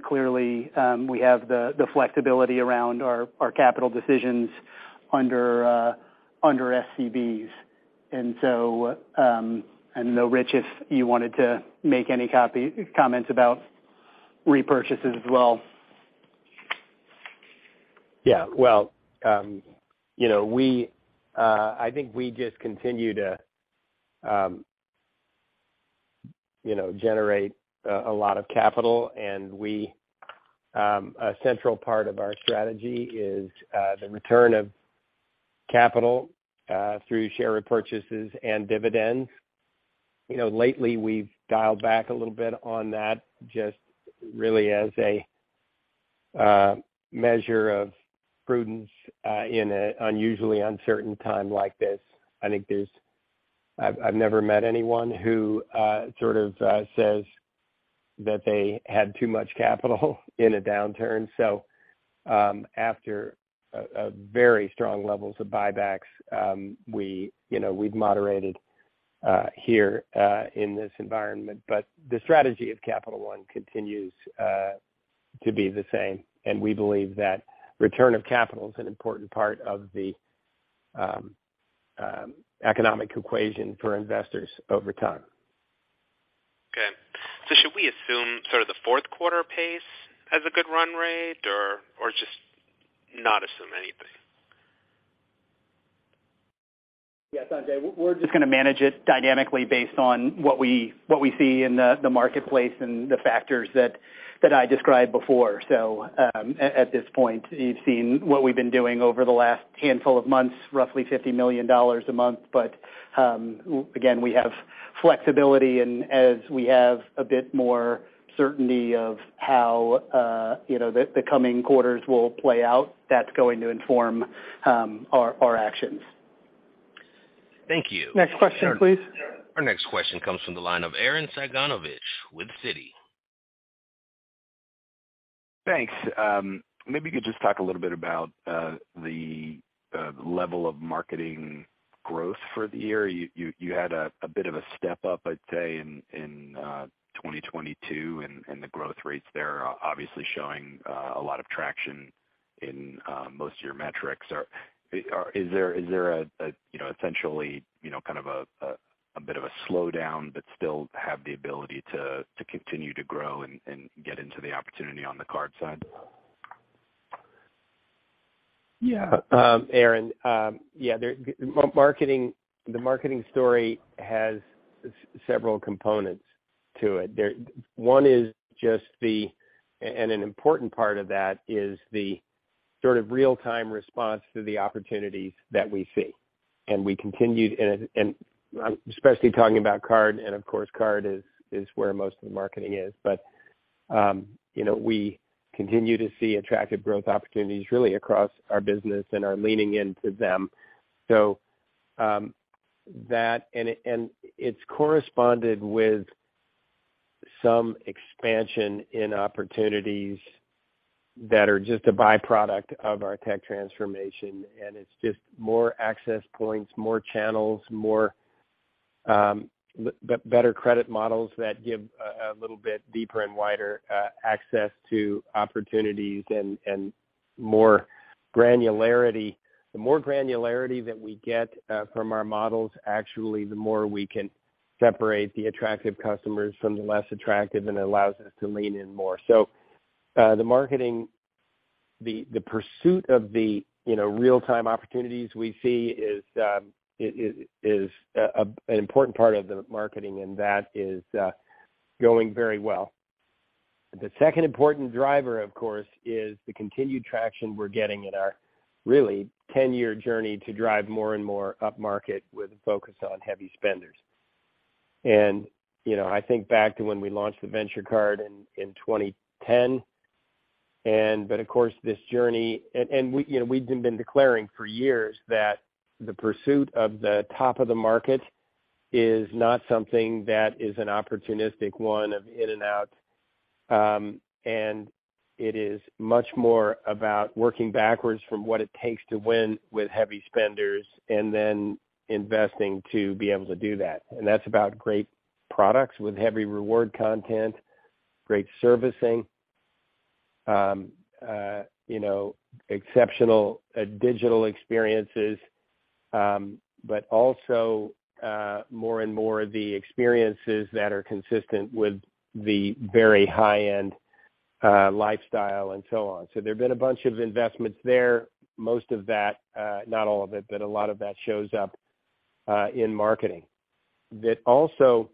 Clearly, we have the flexibility around our capital decisions under SCB. Rich, if you wanted to make any comments about repurchases as well. Yeah. Well, you know, we, I think we just continue to, you know, generate a lot of capital. We, a central part of our strategy is the return of capital through share repurchases and dividends. You know, lately we've dialed back a little bit on that just really as a measure of prudence in an unusually uncertain time like this. I think there's. I've never met anyone who sort of says that they had too much capital in a downturn. After very strong levels of buybacks, we, you know, we've moderated here in this environment. The strategy of Capital One continues to be the same. We believe that return of capital is an important part of the economic equation for investors over time. Okay. Should we assume sort of the fourth quarter pace as a good run rate or just not assume anything? Yeah, Sanjay, we're just gonna manage it dynamically based on what we see in the marketplace and the factors that I described before. At this point, you've seen what we've been doing over the last handful of months, roughly $50 million a month. Again, we have flexibility. As we have a bit more certainty of how, you know, the coming quarters will play out, that's going to inform our actions. Thank you. Next question, please. Our next question comes from the line of Arren Cyganovich with Citi. Thanks. Maybe you could just talk a little bit about the level of marketing growth for the year. You had a bit of a step up, I'd say, in 2022, and the growth rates there are obviously showing a lot of traction in most of your metrics. Or is there a, you know, essentially, you know, kind of a bit of a slowdown but still have the ability to continue to grow and get into the opportunity on the card side? Yeah. Arren, yeah, The marketing story has several components to it. One is just the. And an important part of that is the sort of real-time response to the opportunities that we see. We continued and especially talking about card, and of course card is where most of the marketing is. You know, we continue to see attractive growth opportunities really across our business and are leaning into them. That and it, and it's corresponded with some expansion in opportunities that are just a byproduct of our tech transformation, and it's just more access points, more channels, more better credit models that give a little bit deeper and wider access to opportunities and more granularity. The more granularity that we get, from our models, actually the more we can separate the attractive customers from the less attractive, and it allows us to lean in more. The marketing, the pursuit of the, you know, real-time opportunities we see is an important part of the marketing, and that is going very well. The second important driver, of course, is the continued traction we're getting in our really 10-year journey to drive more and more up-market with a focus on heavy spenders. You know, I think back to when we launched the Venture Card in 2010. We, you know, we've been declaring for years that the pursuit of the top of the market is not something that is an opportunistic one of in and out. It is much more about working backwards from what it takes to win with heavy spenders and then investing to be able to do that. That's about great products with heavy reward content, great servicing, you know, exceptional digital experiences, but also more and more the experiences that are consistent with the very high-end lifestyle and so on. There've been a bunch of investments there. Most of that, not all of it, but a lot of that shows up in marketing that also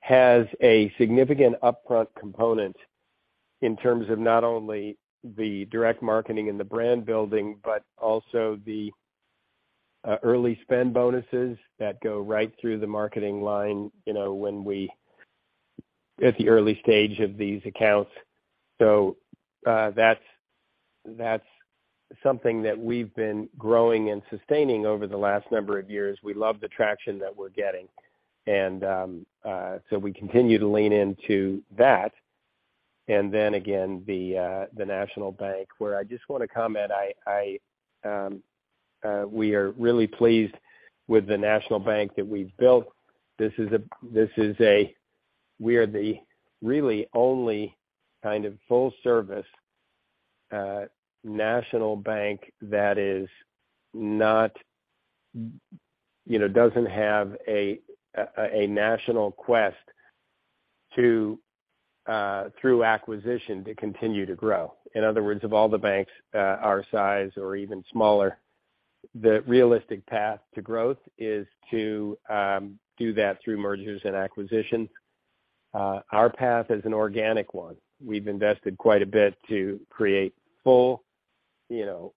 has a significant upfront component in terms of not only the direct marketing and the brand building, but also the early spend bonuses that go right through the marketing line, you know, at the early stage of these accounts. That's something that we've been growing and sustaining over the last number of years. We love the traction that we're getting. We continue to lean into that. Again, the national bank, where I just want to comment, I, we are really pleased with the national bank that we've built. We are the really only kind of full service national bank that is not, you know, doesn't have a national quest to through acquisition to continue to grow. In other words, of all the banks, our size or even smaller, the realistic path to growth is to do that through mergers and acquisitions. Our path is an organic one. We've invested quite a bit to create full, you know,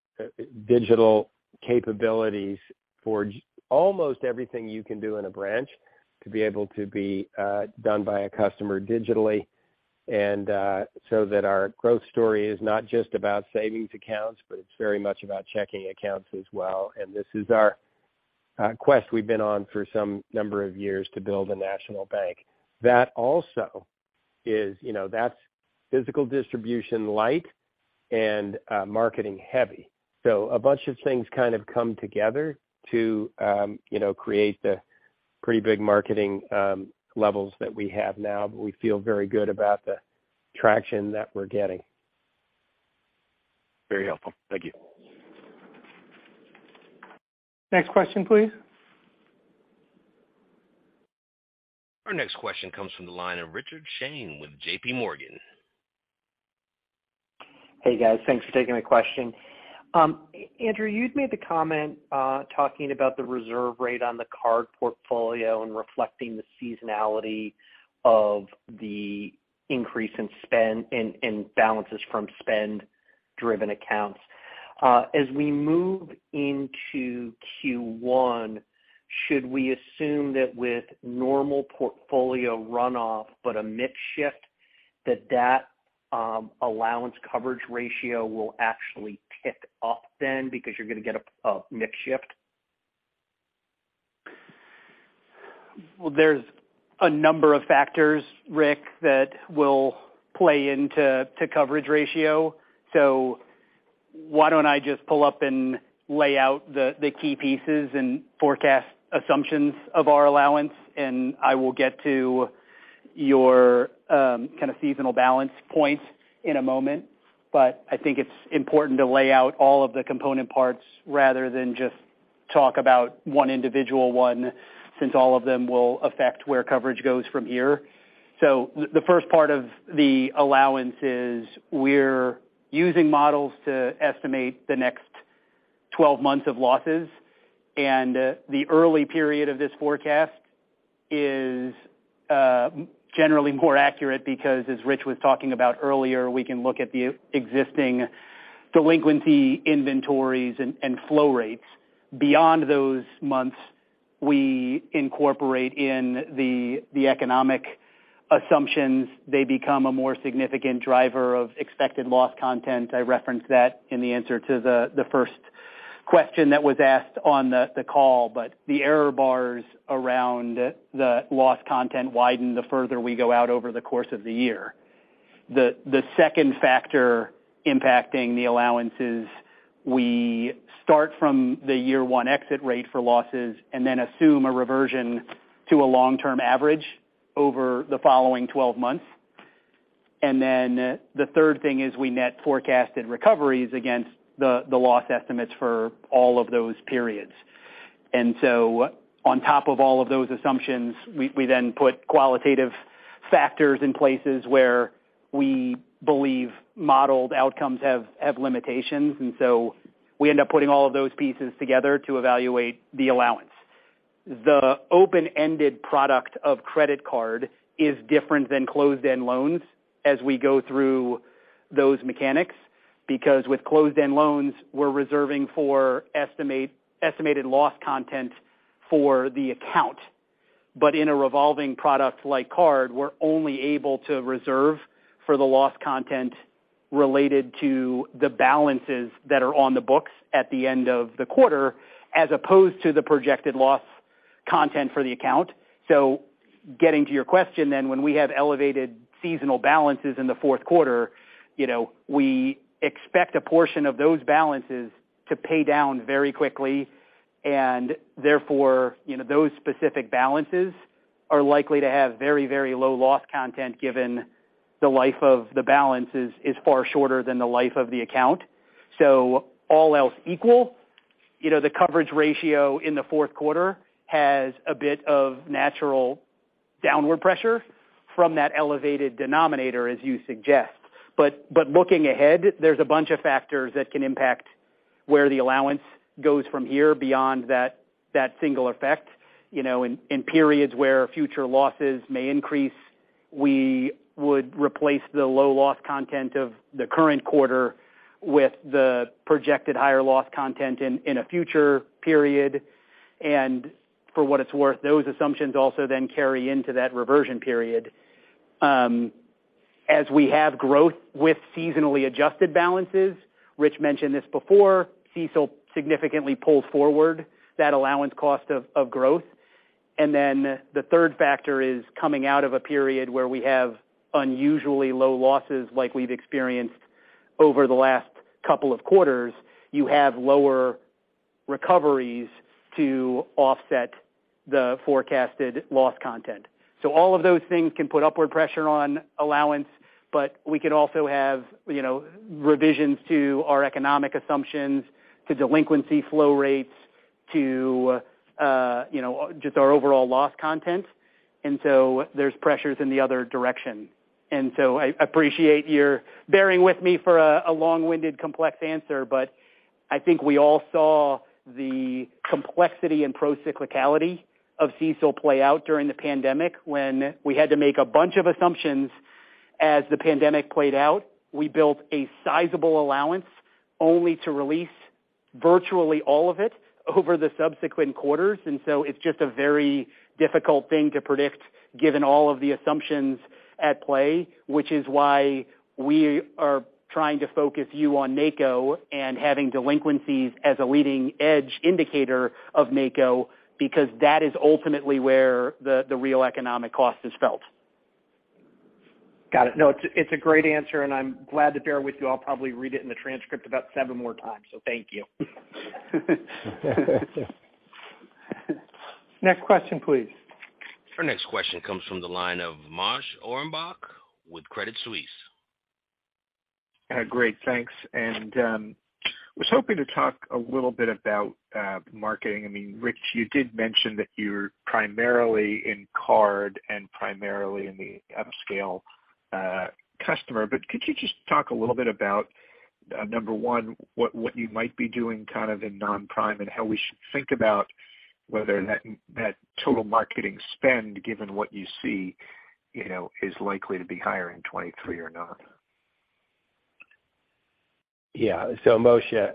digital capabilities for almost everything you can do in a branch to be able to be done by a customer digitally. So that our growth story is not just about savings accounts, but it's very much about checking accounts as well. This is our quest we've been on for some number of years to build a national bank. That also is, you know, that's physical distribution light and marketing heavy. A bunch of things kind of come together to, you know, create the pretty big marketing levels that we have now, but we feel very good about the traction that we're getting. Very helpful. Thank you. Next question, please. Our next question comes from the line of Rick Shane with JPMorgan. Hey, guys. Thanks for taking my question. Andrew, you'd made the comment, talking about the reserve rate on the card portfolio and reflecting the seasonality of the increase in balances from spend-driven accounts. As we move into Q1, should we assume that with normal portfolio runoff, but a mix shift that that allowance coverage ratio will actually tick up then because you're going to get a mix shift? Well, there's a number of factors, Rick, that will play into coverage ratio. Why don't I just pull up and lay out the key pieces and forecast assumptions of our allowance, and I will get to your kind of seasonal balance point in a moment. I think it's important to lay out all of the component parts rather than just talk about one individual one, since all of them will affect where coverage goes from here. The first part of the allowance is we're using models to estimate the next 12 months of losses. The early period of this forecast is generally more accurate because as Rich was talking about earlier, we can look at the existing delinquency inventories and flow rates. Beyond those months, we incorporate in the economic assumptions. They become a more significant driver of expected loss content. I referenced that in the answer to the first question that was asked on the call. The error bars around the loss content widen the further we go out over the course of the year. The second factor impacting the allowance is we start from the year one exit rate for losses and then assume a reversion to a long-term average over the following 12 months. The third thing is we net forecasted recoveries against the loss estimates for all of those periods. On top of all of those assumptions, we then put qualitative factors in places where we believe modeled outcomes have limitations, and so we end up putting all of those pieces together to evaluate the allowance. The open-ended product of credit card is different than closed-end loans as we go through those mechanics, because with closed-end loans, we're reserving for estimated loss content for the account. In a revolving product like card, we're only able to reserve for the loss content related to the balances that are on the books at the end of the quarter, as opposed to the projected loss content for the account. Getting to your question, when we have elevated seasonal balances in the fourth quarter, you know, we expect a portion of those balances to pay down very quickly, and therefore, you know, those specific balances are likely to have very, very low loss content given the life of the balance is far shorter than the life of the account. All else equal, you know, the coverage ratio in the fourth quarter has a bit of natural downward pressure from that elevated denominator, as you suggest. Looking ahead, there's a bunch of factors that can impact where the allowance goes from here beyond that single effect. You know, in periods where future losses may increase, we would replace the low loss content of the current quarter with the projected higher loss content in a future period. For what it's worth, those assumptions also then carry into that reversion period. As we have growth with seasonally adjusted balances, Rich mentioned this before, CECL significantly pulls forward that allowance cost of growth. The third factor is coming out of a period where we have unusually low losses like we've experienced over the last couple of quarters, you have lower recoveries to offset the forecasted loss content. All of those things can put upward pressure on allowance, but we could also have, you know, revisions to our economic assumptions, to delinquency flow rates, to, you know, just our overall loss content. There's pressures in the other direction. I appreciate your bearing with me for a long-winded, complex answer. I think we all saw the complexity and pro-cyclicality of CECL play out during the pandemic when we had to make a bunch of assumptions as the pandemic played out. We built a sizable allowance only to release virtually all of it over the subsequent quarters. It's just a very difficult thing to predict given all of the assumptions at play, which is why we are trying to focus you on NCO and having delinquencies as a leading edge indicator of NCO, because that is ultimately where the real economic cost is felt. Got it. No, it's a great answer, and I'm glad to bear with you. I'll probably read it in the transcript about seven more times. Thank you. Next question, please. Our next question comes from the line of Moshe Orenbuch with Credit Suisse. Great, thanks. Was hoping to talk a little bit about marketing. I mean, Rich, you did mention that you're primarily in card and primarily in the upscale customer. Could you just talk a little bit about number one, what you might be doing kind of in non-prime, and how we should think about whether that total marketing spend, given what you see, you know, is likely to be higher in 2023 or not? Yeah. Moshe,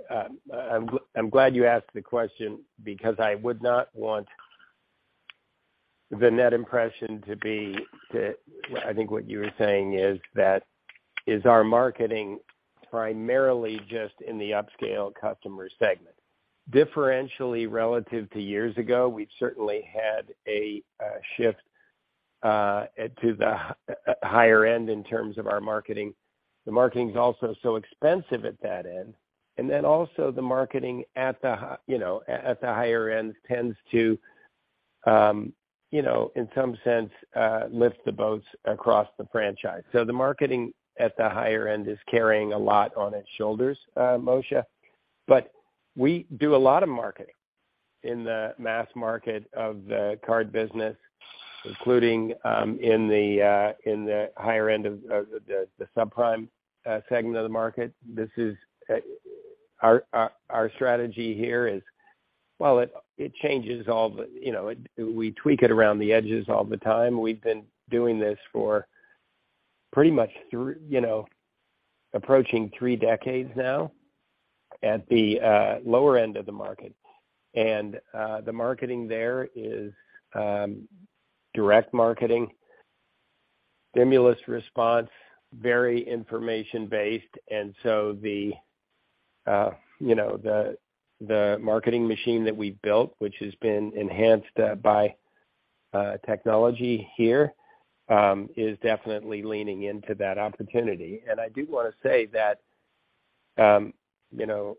I'm glad you asked the question because I would not want the net impression to be I think what you were saying is that is our marketing primarily just in the upscale customer segment. Differentially relative to years ago, we've certainly had a shift to the higher end in terms of our marketing. The marketing is also so expensive at that end. Also the marketing at the higher end tends to, you know, in some sense, lift the boats across the franchise. The marketing at the higher end is carrying a lot on its shoulders, Moshe. We do a lot of marketing in the mass market of the card business, including in the higher end of the subprime segment of the market. This is our strategy here is. Well, it changes all the, you know. We tweak it around the edges all the time. We've been doing this for pretty much you know, approaching three decades now at the lower end of the market. The marketing there is direct marketing, stimulus response, very information-based. The marketing machine that we've built, which has been enhanced by technology here, is definitely leaning into that opportunity. I do wanna say that, you know,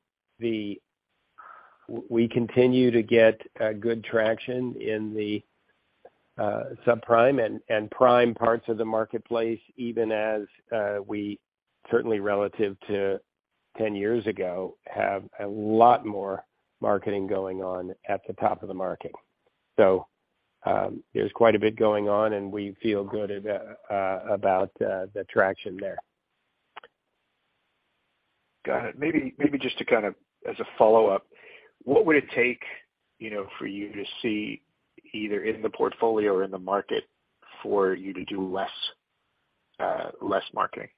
we continue to get good traction in the subprime and prime parts of the marketplace, even as we certainly relative to 10 years ago, have a lot more marketing going on at the top of the market. There's quite a bit going on, and we feel good about the traction there. Got it. Maybe just to kind of as a follow-up, what would it take, you know, for you to see either in the portfolio or in the market for you to do less, less marketing?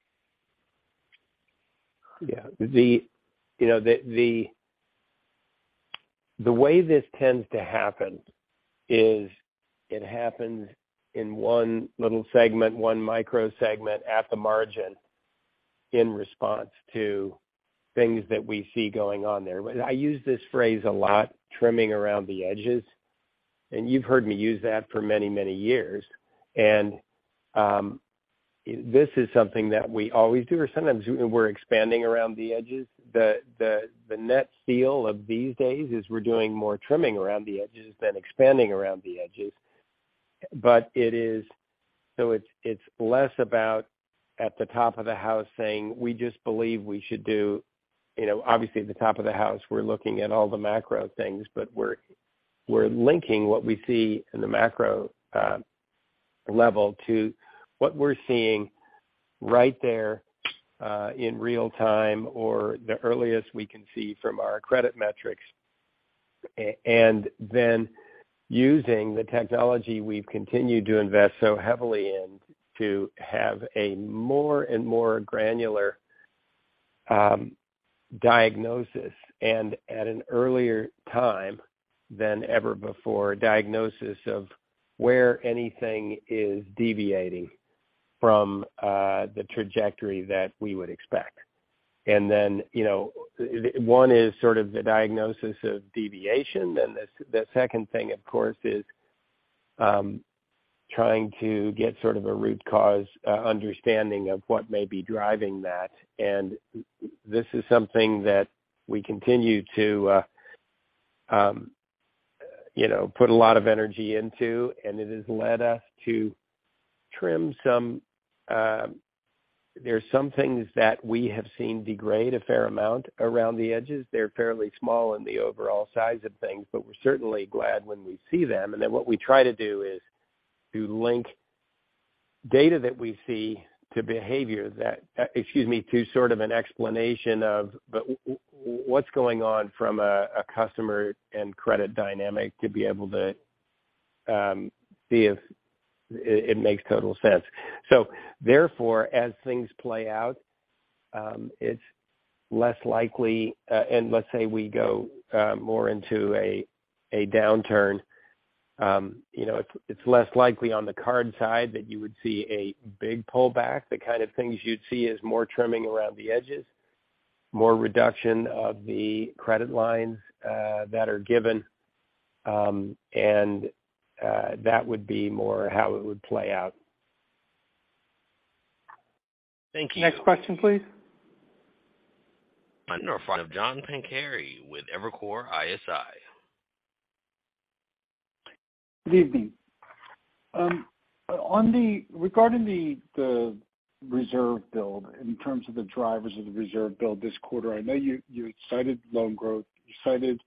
Yeah. You know, the way this tends to happen is it happens in one little segment, one micro segment at the margin in response to things that we see going on there. I use this phrase a lot, trimming around the edges, and you've heard me use that for many years. This is something that we always do, or sometimes we're expanding around the edges. The net feel of these days is we're doing more trimming around the edges than expanding around the edges. It's less about at the top of the house saying, we just believe we should do. You know, obviously at the top of the house, we're looking at all the macro things, but we're linking what we see in the macro level to what we're seeing right there in real time or the earliest we can see from our credit metrics. Using the technology we've continued to invest so heavily in to have a more and more granular diagnosis and at an earlier time than ever before, diagnosis of where anything is deviating from the trajectory that we would expect. You know, one is sort of the diagnosis of deviation, and the second thing, of course, is trying to get sort of a root cause understanding of what may be driving that. This is something that we continue to, you know, put a lot of energy into, and it has led us to trim some. There are some things that we have seen degrade a fair amount around the edges. They're fairly small in the overall size of things, but we're certainly glad when we see them. Then what we try to do is to link. Data that we see to behavior that, excuse me, to sort of an explanation of but what's going on from a customer and credit dynamic to be able to see if it makes total sense. Therefore, as things play out, it's less likely, and let's say we go more into a downturn, you know, it's less likely on the card side that you would see a big pullback. The kind of things you'd see is more trimming around the edges, more reduction of the credit lines that are given, and that would be more how it would play out. Thank you. Next question, please. Our next question comes from John Pancari with Evercore ISI. Good evening. Regarding the reserve build in terms of the drivers of the reserve build this quarter, I know you cited loan growth, you cited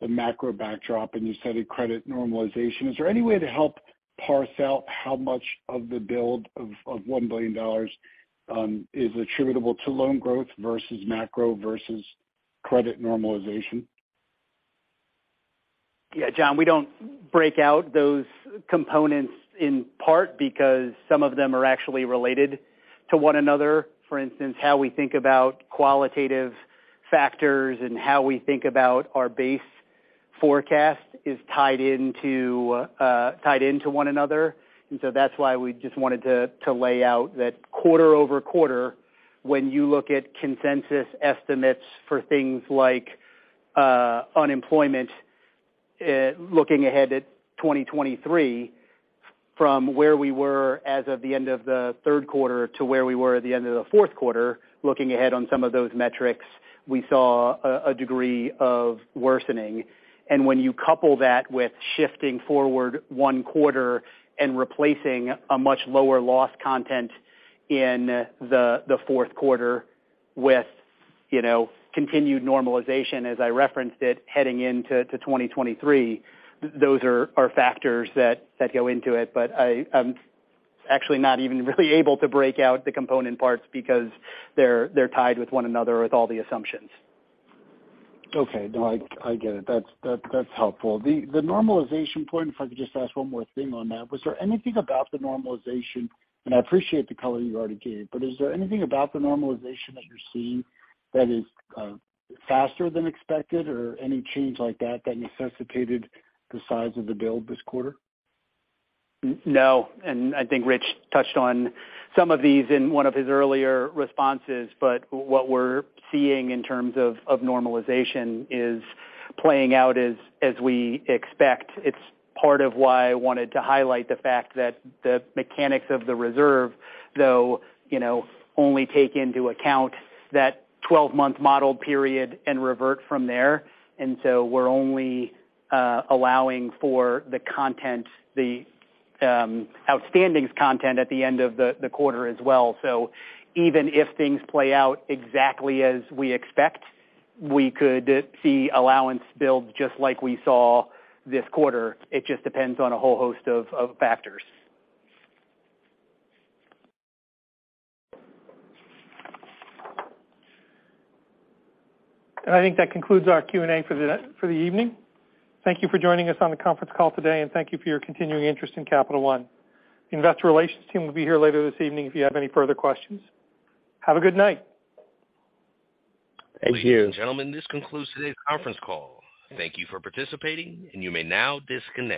the macro backdrop, and you cited credit normalization. Is there any way to help parse out how much of the build of $1 billion is attributable to loan growth versus macro versus credit normalization? Yeah, John, we don't break out those components in part because some of them are actually related to one another. For instance, how we think about qualitative factors and how we think about our base forecast is tied into one another. That's why we just wanted to lay out that quarter-over-quarter when you look at consensus estimates for things like unemployment, looking ahead at 2023 from where we were as of the end of the third quarter to where we were at the end of the fourth quarter. Looking ahead on some of those metrics, we saw a degree of worsening. When you couple that with shifting forward one quarter and replacing a much lower loss content in the fourth quarter with, you know, continued normalization, as I referenced it, heading into 2023, those are factors that go into it. I'm actually not even really able to break out the component parts because they're tied with one another with all the assumptions. Okay. No, I get it. That's helpful. The normalization point, if I could just ask one more thing on that. Was there anything about the normalization, and I appreciate the color you already gave, but is there anything about the normalization that you're seeing that is faster than expected or any change like that necessitated the size of the build this quarter? No, and I think Rich touched on some of these in one of his earlier responses, but what we're seeing in terms of normalization is playing out as we expect. It's part of why I wanted to highlight the fact that the mechanics of the reserve, though, you know, only take into account that 12-month model period and revert from there. We're only allowing for the content, the outstandings content at the end of the quarter as well. Even if things play out exactly as we expect, we could see allowance build just like we saw this quarter. It just depends on a whole host of factors. I think that concludes our Q&A for the evening. Thank you for joining us on the conference call today, and thank you for your continuing interest in Capital One. The investor relations team will be here later this evening if you have any further questions. Have a good night. Thank you. Ladies and gentlemen, this concludes today's conference call. Thank you for participating, and you may now disconnect.